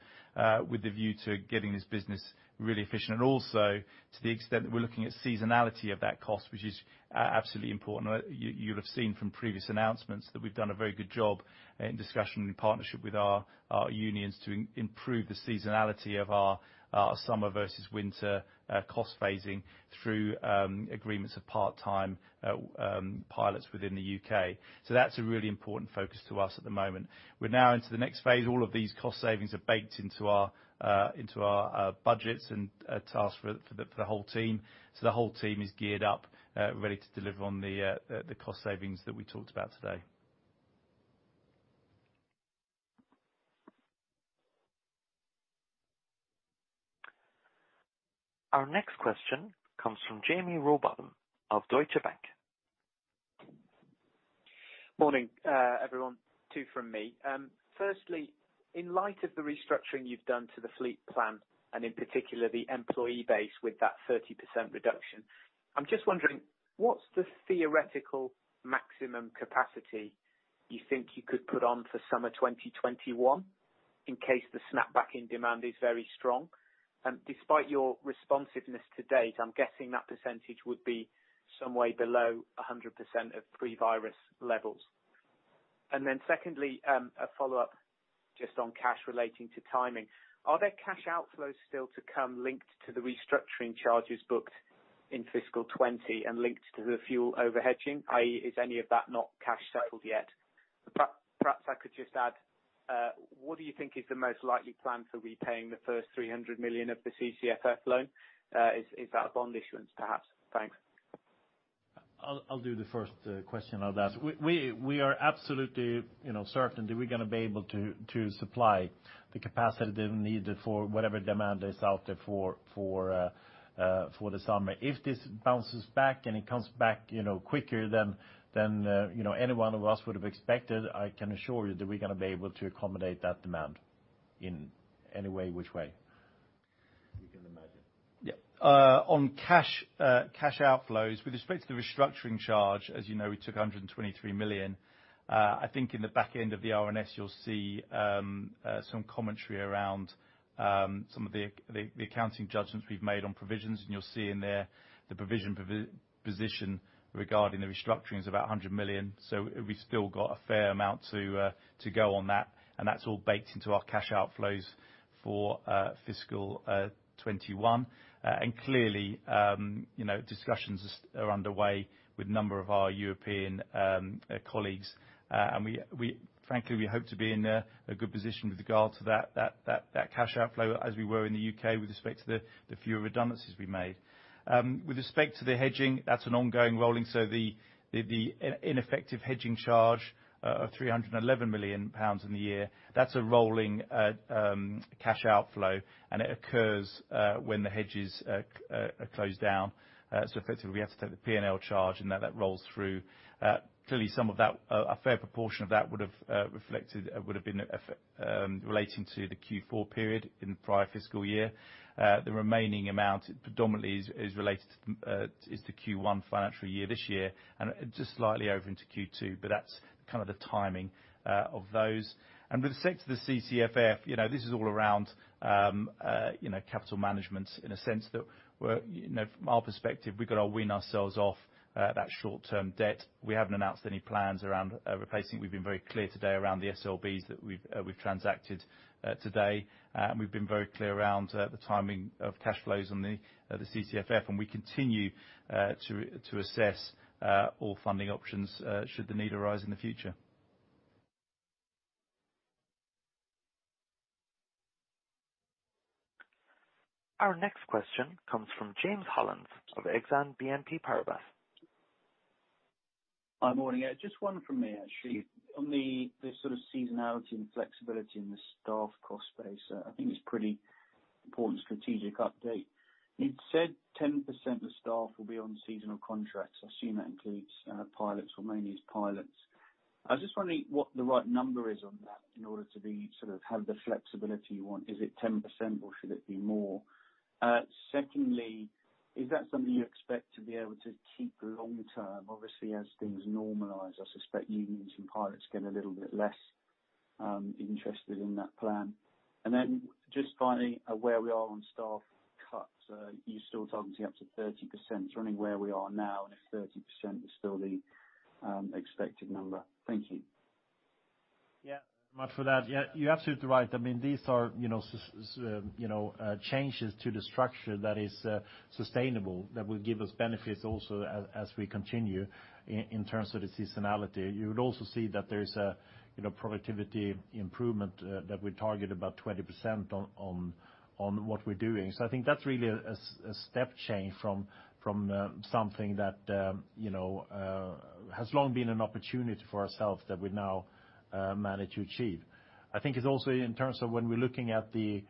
C: with a view to getting this business really efficient. To the extent that we're looking at seasonality of that cost, which is absolutely important. You'll have seen from previous announcements that we've done a very good job in discussion and partnership with our unions to improve the seasonality of our summer versus winter cost phasing through agreements of part-time pilots within the U.K. That's a really important focus to us at the moment. We're now into the next phase. All of these cost savings are baked into our budgets and tasks for the whole team. The whole team is geared up, ready to deliver on the cost savings that we talked about today.
A: Our next question comes from Jaime Rowbotham of Deutsche Bank.
H: Morning, everyone. Two from me. Firstly, in light of the restructuring you've done to the fleet plan, and in particular, the employee base with that 30% reduction, I'm just wondering, what's the theoretical maximum capacity you think you could put on for summer 2021 in case the snapback in demand is very strong? Despite your responsiveness to date, I'm guessing that percentage would be some way below 100% of pre-virus levels. Secondly, a follow-up just on cash relating to timing. Are there cash outflows still to come linked to the restructuring charges booked in fiscal '20 and linked to the fuel over-hedging, i.e., is any of that not cash settled yet? Perhaps I could just add, what do you think is the most likely plan for repaying the first 300 million of the CCFF loan? Is that a bond issuance, perhaps? Thanks.
B: I'll do the first question on that. We are absolutely certain that we're going to be able to supply the capacity needed for whatever demand is out there for the summer. If this bounces back and it comes back quicker than any one of us would have expected, I can assure you that we're going to be able to accommodate that demand in any way, which way you can imagine.
C: Yeah. On cash outflows, with respect to the restructuring charge, as you know, we took 123 million. I think in the back end of the RNS you'll see some commentary around some of the accounting judgments we've made on provisions, and you'll see in there the provision position regarding the restructuring is about 100 million. We've still got a fair amount to go on that, and that's all baked into our cash outflows for FY 2021. Clearly, discussions are underway with a number of our European colleagues, and frankly, we hope to be in a good position with regard to that cash outflow as we were in the U.K. with respect to the few redundancies we made. With respect to the hedging, that's an ongoing rolling, the ineffective hedging charge of 311 million pounds in the year, that's a rolling cash outflow, and it occurs when the hedges are closed down. Effectively, we have to take the P&L charge, and that rolls through. Clearly, a fair proportion of that would have been relating to the Q4 period in the prior fiscal year. The remaining amount predominantly is the Q1 financial year this year, and just slightly over into Q2, but that's the timing of those. With respect to the CCFF, this is all around capital management in a sense that from our perspective, we've got to wean ourselves off that short-term debt. We haven't announced any plans around replacing. We've been very clear today around the SLBs that we've transacted today. We've been very clear around the timing of cash flows on the CCFF, and we continue to assess all funding options should the need arise in the future.
A: Our next question comes from James Hollins of Exane BNP Paribas.
I: Hi, morning. Just one from me, actually. On the sort of seasonality and flexibility in the staff cost base, I think it's pretty important strategic update. You'd said 10% of the staff will be on seasonal contracts. I assume that includes pilots, or mainly is pilots. I was just wondering what the right number is on that in order to have the flexibility you want. Is it 10% or should it be more? Secondly, is that something you expect to be able to keep long-term? Obviously, as things normalize, I suspect unions and pilots get a little bit less interested in that plan. Just finally, where we are on staff cuts. Are you still targeting up to 30%? Running where we are now, if 30% is still the expected number. Thank you.
B: Much for that. You're absolutely right. These are changes to the structure that is sustainable, that will give us benefits also as we continue in terms of the seasonality. You would also see that there is a productivity improvement that we target about 20% on what we're doing. I think that's really a step change from something that has long been an opportunity for ourselves that we now manage to achieve. I think it's also in terms of when we're looking at the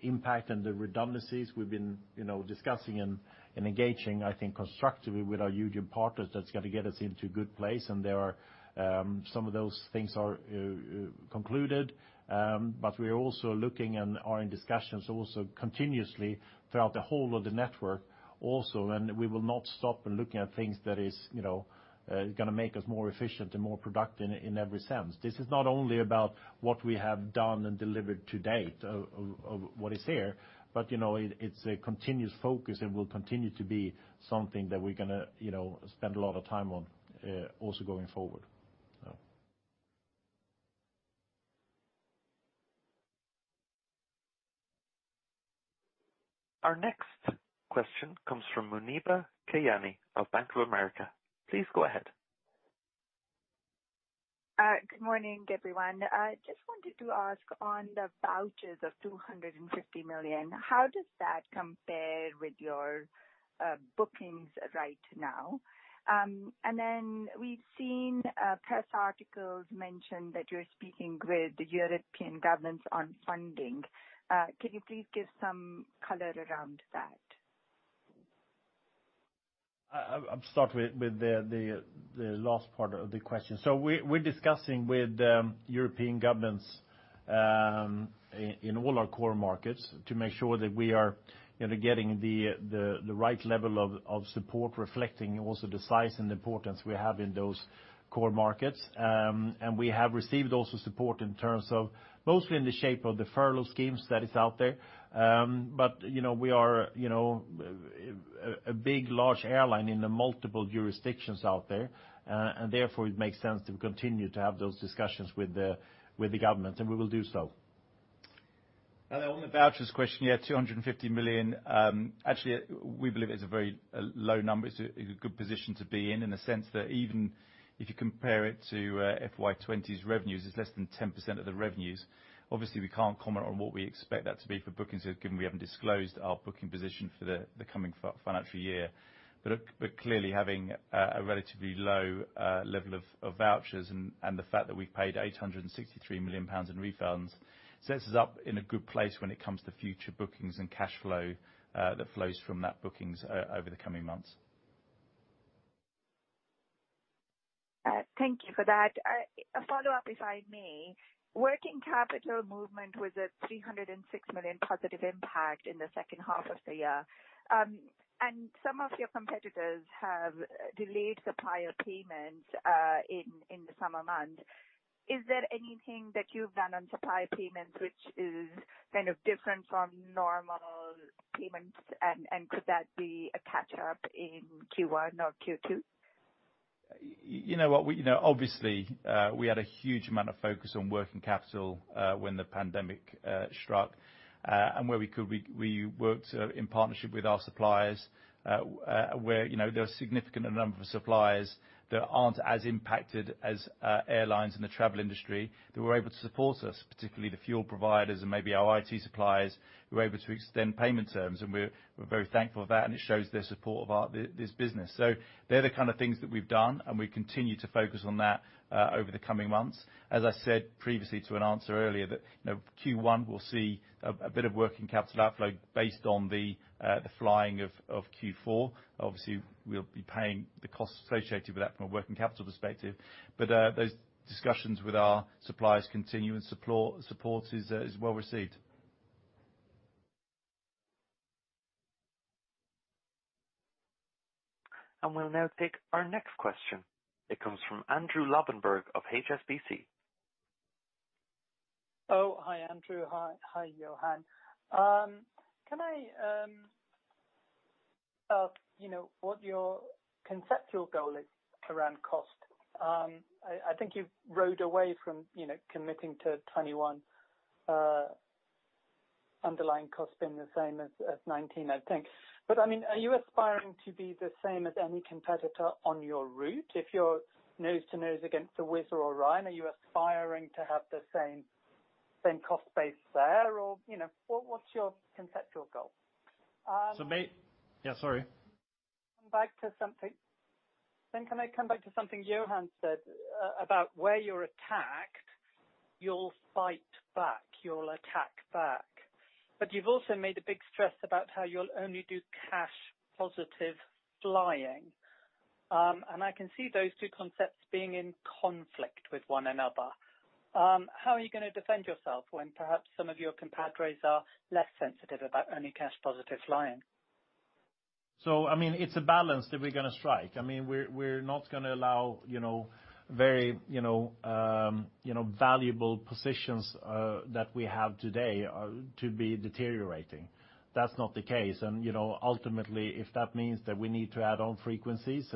B: impact and the redundancies we've been discussing and engaging, I think, constructively with our union partners, that's got to get us into a good place. Some of those things are concluded. We are also looking and are in discussions also continuously throughout the whole of the network also. We will not stop in looking at things that is going to make us more efficient and more productive in every sense. This is not only about what we have done and delivered to date, of what is here. It's a continuous focus and will continue to be something that we're going to spend a lot of time on also going forward.
A: Our next question comes from Muneeba Kayani of Bank of America. Please go ahead.
J: Good morning, everyone. Just wanted to ask on the vouchers of 250 million, how does that compare with your bookings right now? We've seen press articles mention that you're speaking with the European governments on funding. Can you please give some color around that?
B: I'll start with the last part of the question. We're discussing with European governments in all our core markets to make sure that we are getting the right level of support reflecting also the size and importance we have in those core markets. We have received also support mostly in the shape of the furlough schemes that is out there. We are a big, large airline in the multiple jurisdictions out there, and therefore, it makes sense to continue to have those discussions with the government, and we will do so.
C: On the vouchers question, yeah, 250 million, actually, we believe it's a very low number. It's a good position to be in the sense that even if you compare it to FY 2020's revenues, it's less than 10% of the revenues. We can't comment on what we expect that to be for bookings, given we haven't disclosed our booking position for the coming financial year. Clearly, having a relatively low level of vouchers and the fact that we've paid 863 million pounds in refunds sets us up in a good place when it comes to future bookings and cash flow that flows from that bookings over the coming months.
J: Thank you for that. A follow-up, if I may. Working capital movement was at 306 million positive impact in the second half of the year. Some of your competitors have delayed supplier payments in the summer months. Is there anything that you've done on supplier payments which is different from normal payments? Could that be a catch-up in Q1 or Q2?
C: You know what? Obviously, we had a huge amount of focus on working capital when the pandemic struck. Where we could, we worked in partnership with our suppliers, where there are a significant number of suppliers that aren't as impacted as airlines in the travel industry that were able to support us, particularly the fuel providers and maybe our IT suppliers, who were able to extend payment terms, and we're very thankful of that, and it shows their support of this business. They're the kind of things that we've done, and we continue to focus on that over the coming months. As I said previously to an answer earlier that Q1 we'll see a bit of working capital outflow based on the flying of Q4. Obviously, we'll be paying the costs associated with that from a working capital perspective. Those discussions with our suppliers continue, and support is well received.
A: We'll now take our next question. It comes from Andrew Lobbenberg of HSBC.
K: Oh, hi, Andrew. Hi, Johan. Can I ask what your conceptual goal is around cost? I think you've rode away from committing to '21 underlying cost being the same as '19, I think. Are you aspiring to be the same as any competitor on your route? If you're nose to nose against a Wizz or a Ryanair, are you aspiring to have the same cost base there? What's your conceptual goal?
B: Yeah, sorry.
K: Can I come back to something Johan said about where you're attacked, you'll fight back. You'll attack back. You've also made a big stress about how you'll only do cash positive flying. I can see those two concepts being in conflict with one another. How are you going to defend yourself when perhaps some of your compadres are less sensitive about only cash positive flying?
B: It's a balance that we're going to strike. We're not going to allow very valuable positions that we have today to be deteriorating. That's not the case. Ultimately, if that means that we need to add on frequencies,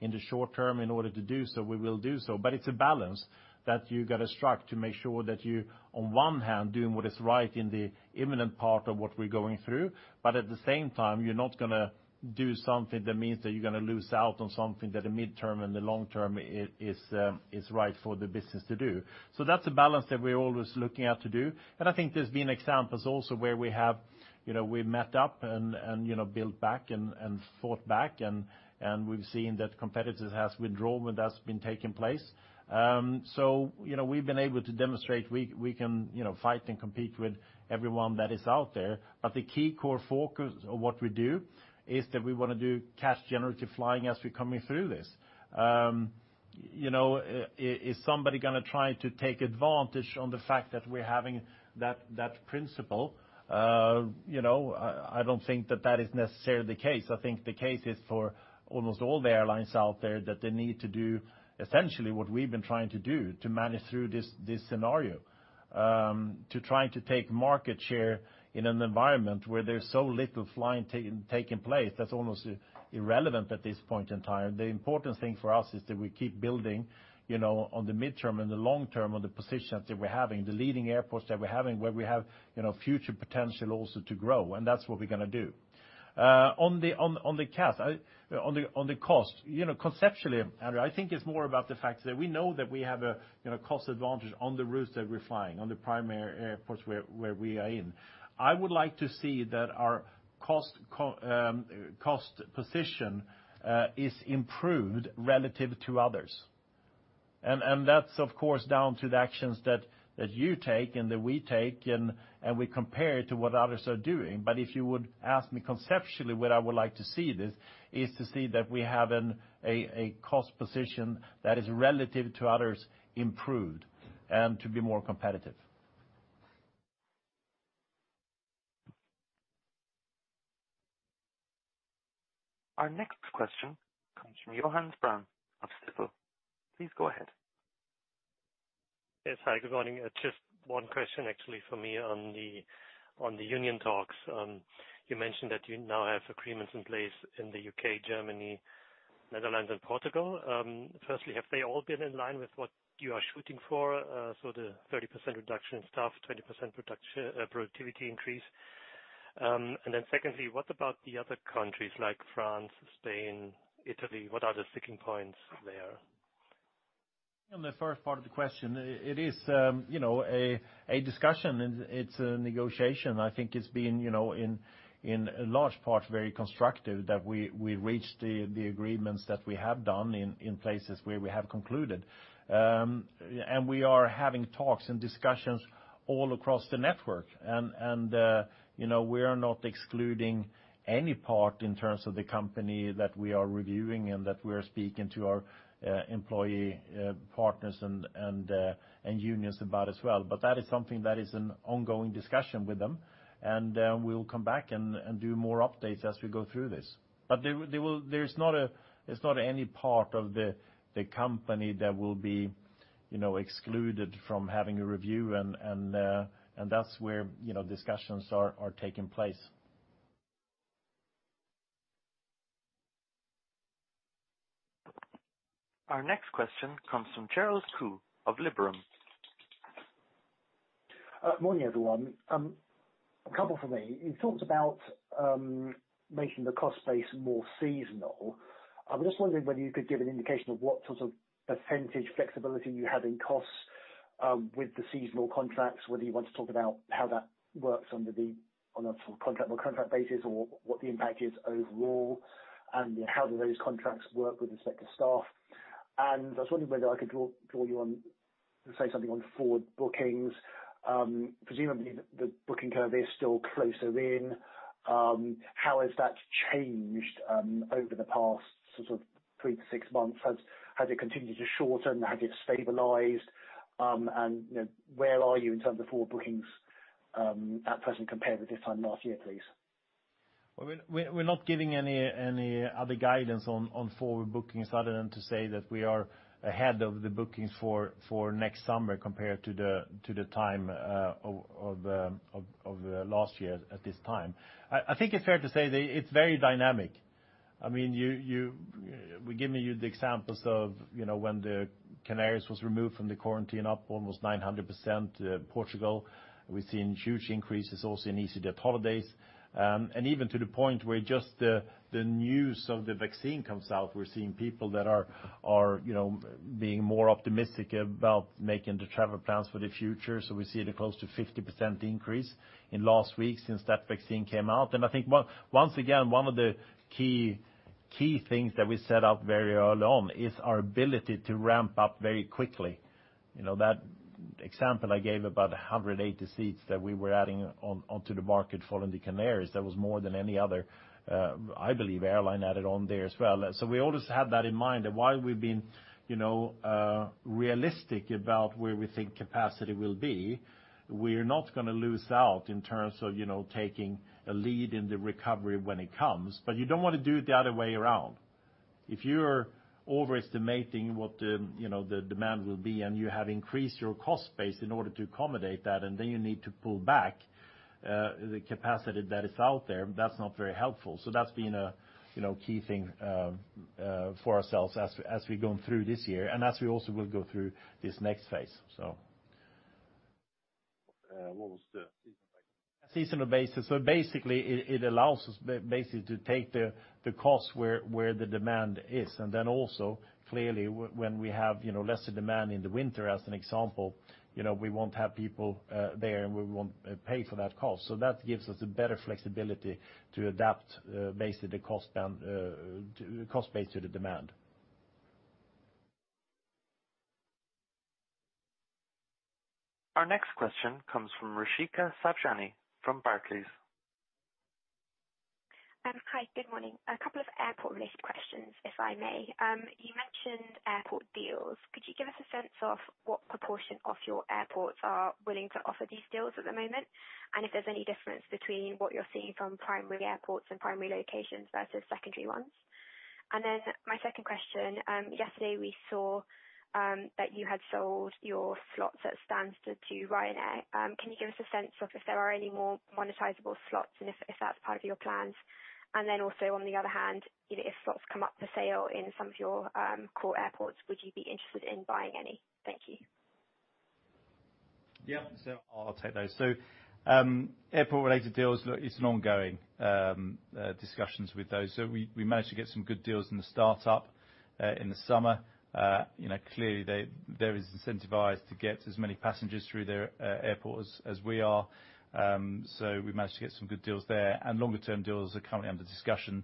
B: in the short term in order to do so, we will do so. It's a balance that you got to strike to make sure that you, on one hand, doing what is right in the imminent part of what we're going through, but at the same time, you're not going to do something that means that you're going to lose out on something that the midterm and the long term is right for the business to do. That's a balance that we're always looking at to do. I think there's been examples also where we met up and built back and fought back, and we've seen that competitors have withdrawn when that's been taking place. We've been able to demonstrate we can fight and compete with everyone that is out there. The key core focus of what we do is that we want to do cash generative flying as we're coming through this. Is somebody going to try to take advantage on the fact that we're having that principle? I don't think that that is necessarily the case. I think the case is for almost all the airlines out there that they need to do essentially what we've been trying to do to manage through this scenario. Trying to take market share in an environment where there's so little flying taking place, that's almost irrelevant at this point in time. The important thing for us is that we keep building on the midterm and the long term on the positions that we're having, the leading airports that we're having, where we have future potential also to grow. That's what we're going to do. On the cost, conceptually, Andrew, I think it's more about the fact that we know that we have a cost advantage on the routes that we're flying, on the primary airports where we are in. I would like to see that our cost position is improved relative to others. That's, of course, down to the actions that you take and that we take, and we compare it to what others are doing. If you would ask me conceptually what I would like to see, is to see that we have a cost position that is relative to others improved, and to be more competitive.
A: Our next question comes from Johannes Braun of Stifel. Please go ahead.
L: Yes. Hi, good morning. Just one question, actually for me on the union talks. You mentioned that you now have agreements in place in the U.K., Germany, Netherlands, and Portugal. Firstly, have they all been in line with what you are shooting for? So the 30% reduction in staff, 20% productivity increase. Secondly, what about the other countries like France, Spain, Italy? What are the sticking points there?
B: On the first part of the question, it is a discussion and it's a negotiation. I think it's been in large part very constructive that we reached the agreements that we have done in places where we have concluded. We are having talks and discussions all across the network. We are not excluding any part in terms of the company that we are reviewing and that we're speaking to our employee partners and unions about as well. That is something that is an ongoing discussion with them, and we'll come back and do more updates as we go through this. There's not any part of the company that will be excluded from having a review, and that's where discussions are taking place.
A: Our next question comes from Gerald Khoo of Liberum.
M: Morning, everyone. A couple from me. You talked about making the cost base more seasonal. I'm just wondering whether you could give an indication of what sort of % flexibility you have in costs with the seasonal contracts, whether you want to talk about how that works under the contract or contract basis, or what the impact is overall, and how do those contracts work with respect to staff? I was wondering whether I could draw you on to say something on forward bookings. Presumably, the booking curve is still closer in. How has that changed over the past three to six months? Has it continued to shorten? Has it stabilized? Where are you in terms of forward bookings at present compared with this time last year, please?
B: We're not giving any other guidance on forward bookings other than to say that we are ahead of the bookings for next summer compared to the time of last year at this time. I think it's fair to say that it's very dynamic. We've given you the examples of when the Canaries was removed from the quarantine, up almost 900% Portugal. We've seen huge increases also in easyJet holidays. Even to the point where just the news of the vaccine comes out, we're seeing people that are being more optimistic about making the travel plans for the future. We see close to 50% increase in last week since that vaccine came out. I think, once again, one of the key things that we set out very early on is our ability to ramp up very quickly. That example I gave about 180 seats that we were adding onto the market for the Canaries, that was more than any other, I believe, airline added on there as well. We always have that in mind that while we've been realistic about where we think capacity will be, we're not going to lose out in terms of taking a lead in the recovery when it comes. You don't want to do it the other way around. If you're overestimating what the demand will be and you have increased your cost base in order to accommodate that, and then you need to pull back the capacity that is out there, that's not very helpful. That's been a key thing for ourselves as we're going through this year and as we also will go through this next phase.
C: What was the seasonal basis?
B: Seasonal basis. Basically, it allows us basically to take the cost where the demand is, and then also clearly when we have lesser demand in the winter as an example, we won't have people there, and we won't pay for that cost. That gives us a better flexibility to adapt basically the cost base to the demand.
A: Our next question comes from Rishika Sabnani from Barclays.
N: Hi, good morning. A couple of airport-related questions, if I may. You mentioned airport deals. Could you give us a sense of what proportion of your airports are willing to offer these deals at the moment? If there's any difference between what you're seeing from primary airports and primary locations versus secondary ones? My second question, yesterday we saw that you had sold your slots at Stansted to Ryanair. Can you give us a sense of if there are any more monetizable slots and if that's part of your plans? Also on the other hand, if slots come up for sale in some of your core airports, would you be interested in buying any? Thank you.
C: I'll take those. Airport-related deals, look, it's an ongoing discussions with those. We managed to get some good deals in the start-up in the summer. Clearly they are as incentivized to get as many passengers through their airport as we are. We managed to get some good deals there, and longer term deals are currently under discussion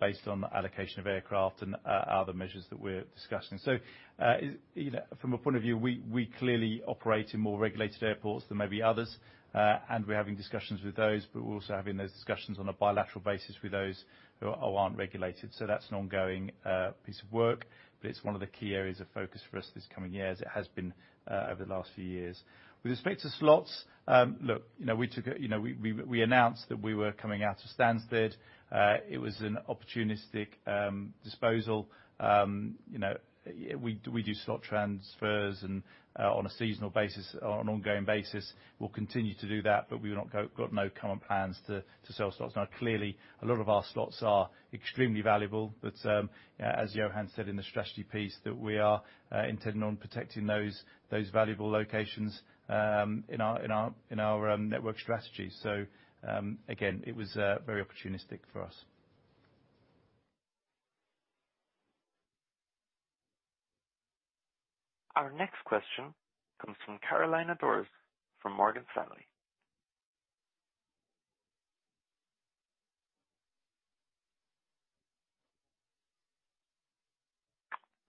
C: based on allocation of aircraft and other measures that we're discussing. From a point of view, we clearly operate in more regulated airports than maybe others, and we're having discussions with those, but we're also having those discussions on a bilateral basis with those who aren't regulated. That's an ongoing piece of work, but it's one of the key areas of focus for us this coming year, as it has been over the last few years. With respect to slots, look, we announced that we were coming out of Stansted. It was an opportunistic disposal. We do slot transfers and on a seasonal basis, on an ongoing basis, we'll continue to do that, but we've got no current plans to sell slots now. Clearly, a lot of our slots are extremely valuable, but, as Johan said in the strategy piece, that we are intending on protecting those valuable locations in our network strategy. Again, it was very opportunistic for us.
A: Our next question comes from Carolina Dores from Morgan Stanley.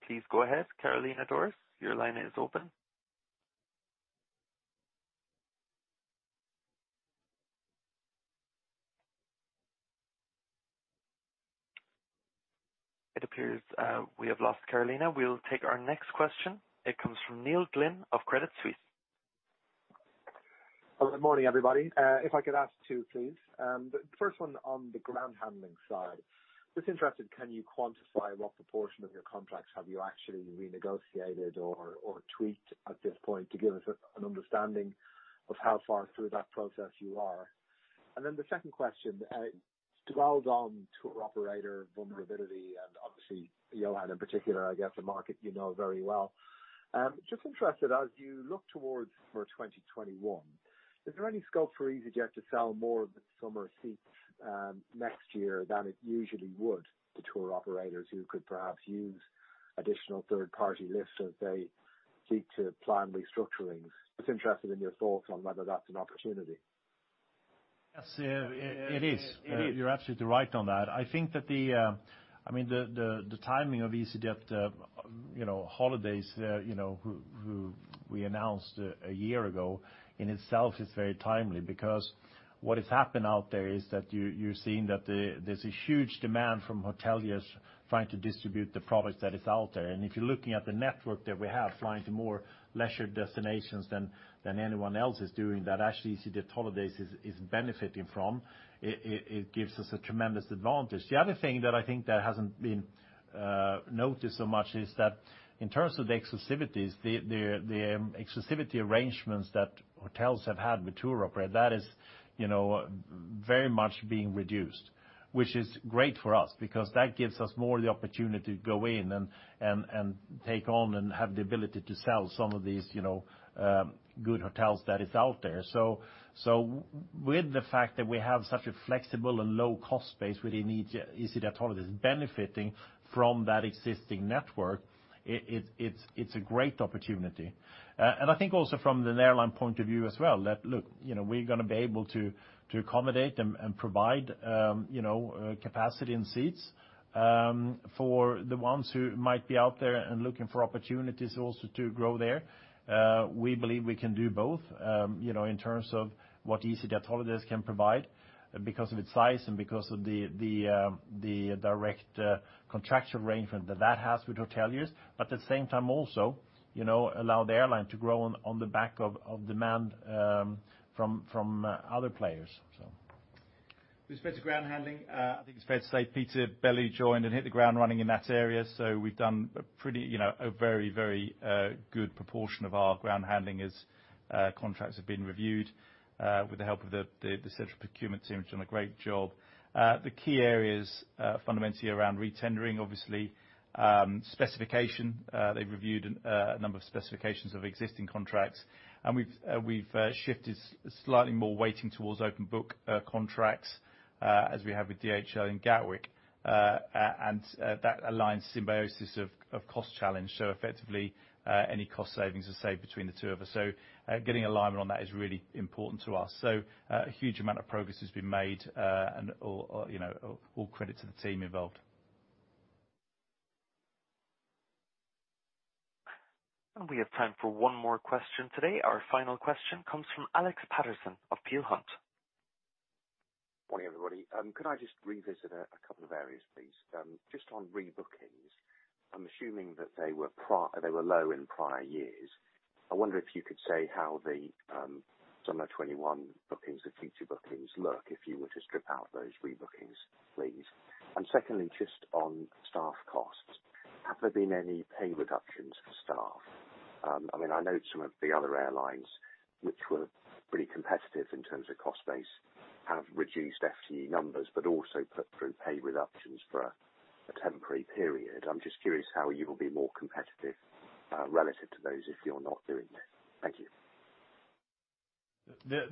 A: Please go ahead, Carolina Dores. Your line is open. It appears we have lost Carolina. We will take our next question. It comes from Neil Glynn of Credit Suisse.
O: Good morning, everybody. If I could ask two, please. The first one on the ground handling side. Just interested, can you quantify what proportion of your contracts have you actually renegotiated or tweaked at this point to give us an understanding of how far through that process you are? The second question, it dwells on tour operator vulnerability, and obviously, Johan in particular, I guess a market you know very well. Just interested, as you look towards for 2021, is there any scope for easyJet to sell more of the summer seats next year than it usually would to tour operators who could perhaps use additional third-party lifts as they seek to plan restructurings? Just interested in your thoughts on whether that's an opportunity.
B: Yes. It is. You're absolutely right on that. I think that the timing of easyJet holidays, who we announced a year ago, in itself is very timely because what has happened out there is that you're seeing that there's a huge demand from hoteliers trying to distribute the product that is out there. If you're looking at the network that we have flying to more leisure destinations than anyone else is doing, that actually easyJet holidays is benefiting from it. It gives us a tremendous advantage. The other thing that I think that hasn't been noticed so much is that in terms of the exclusivities, the exclusivity arrangements that hotels have had with tour operator, that is very much being reduced. Which is great for us because that gives us more the opportunity to go in and take on and have the ability to sell some of these good hotels that is out there. With the fact that we have such a flexible and low-cost base within easyJet holidays benefiting from that existing network, it's a great opportunity. I think also from an airline point of view as well, look, we're going to be able to accommodate and provide capacity and seats for the ones who might be out there and looking for opportunities also to grow there. We believe we can do both, in terms of what easyJet holidays can provide because of its size and because of the direct contractual arrangement that has with hoteliers. At the same time also, allow the airline to grow on the back of demand from other players.
C: With respect to ground handling, I think it's fair to say Peter Bellew joined and hit the ground running in that area. We've done a very good proportion of our ground handling as contracts have been reviewed, with the help of the central procurement team, which done a great job. The key areas are fundamentally around re-tendering, obviously, specification, they've reviewed a number of specifications of existing contracts, and we've shifted slightly more weighting towards open book contracts, as we have with DHL and Gatwick. That aligns symbiosis of cost challenge, so effectively, any cost savings are saved between the two of us. Getting alignment on that is really important to us. A huge amount of progress has been made, and all credit to the team involved.
A: We have time for one more question today. Our final question comes from Alex Paterson of Peel Hunt.
P: Morning, everybody. Could I just revisit a couple of areas, please? Just on re-bookings. I'm assuming that they were low in prior years. I wonder if you could say how the summer 2021 bookings, the future bookings look, if you were to strip out those re-bookings, please. Secondly, just on staff costs, have there been any pay reductions for staff? I know some of the other airlines, which were pretty competitive in terms of cost base, have reduced FTE numbers, but also put through pay reductions for a temporary period. I'm just curious how you will be more competitive, relative to those if you're not doing that. Thank you.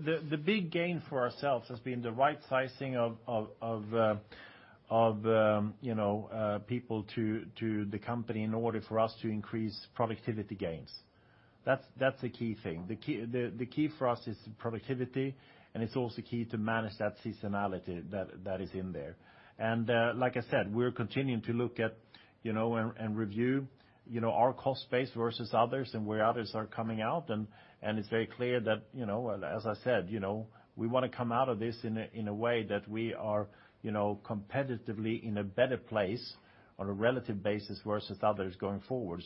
B: The big gain for ourselves has been the right sizing of people to the company in order for us to increase productivity gains. That's the key thing. The key for us is productivity, and it's also key to manage that seasonality that is in there. Like I said, we're continuing to look at and review our cost base versus others and where others are coming out, and it's very clear that, as I said, we want to come out of this in a way that we are competitively in a better place on a relative basis versus others going forward.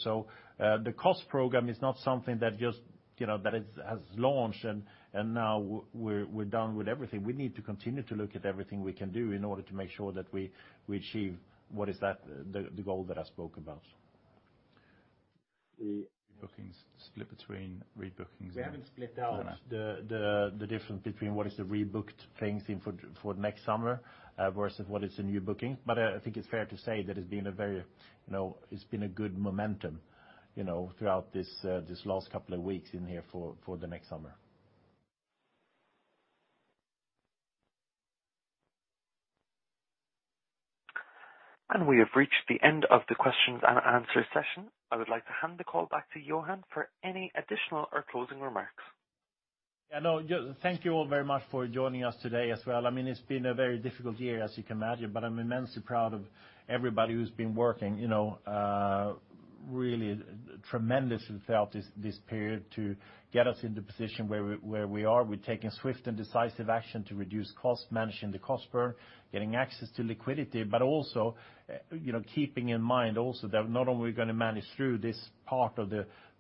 B: The cost program is not something that has launched and now we're done with everything. We need to continue to look at everything we can do in order to make sure that we achieve the goal that I spoke about.
C: The-
B: Bookings split between re-bookings.
C: We haven't split out the difference between what is the rebooked planes for next summer, versus what is a new booking. I think it's fair to say that it's been a good momentum throughout this last couple of weeks in here for the next summer.
A: We have reached the end of the questions and answer session. I would like to hand the call back to Johan for any additional or closing remarks.
B: Yeah. No. Thank you all very much for joining us today as well. It's been a very difficult year, as you can imagine, but I'm immensely proud of everybody who's been working really tremendously throughout this period to get us in the position where we are. We're taking swift and decisive action to reduce cost, managing the cost burn, getting access to liquidity. Keeping in mind that not only are we going to manage through this part of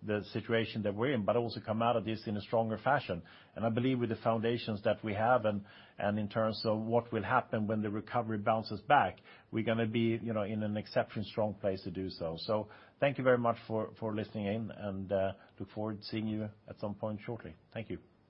B: the situation that we're in, but also come out of this in a stronger fashion. I believe with the foundations that we have and in terms of what will happen when the recovery bounces back, we're going to be in an exceptionally strong place to do so. Thank you very much for listening in and look forward to seeing you at some point shortly. Thank you.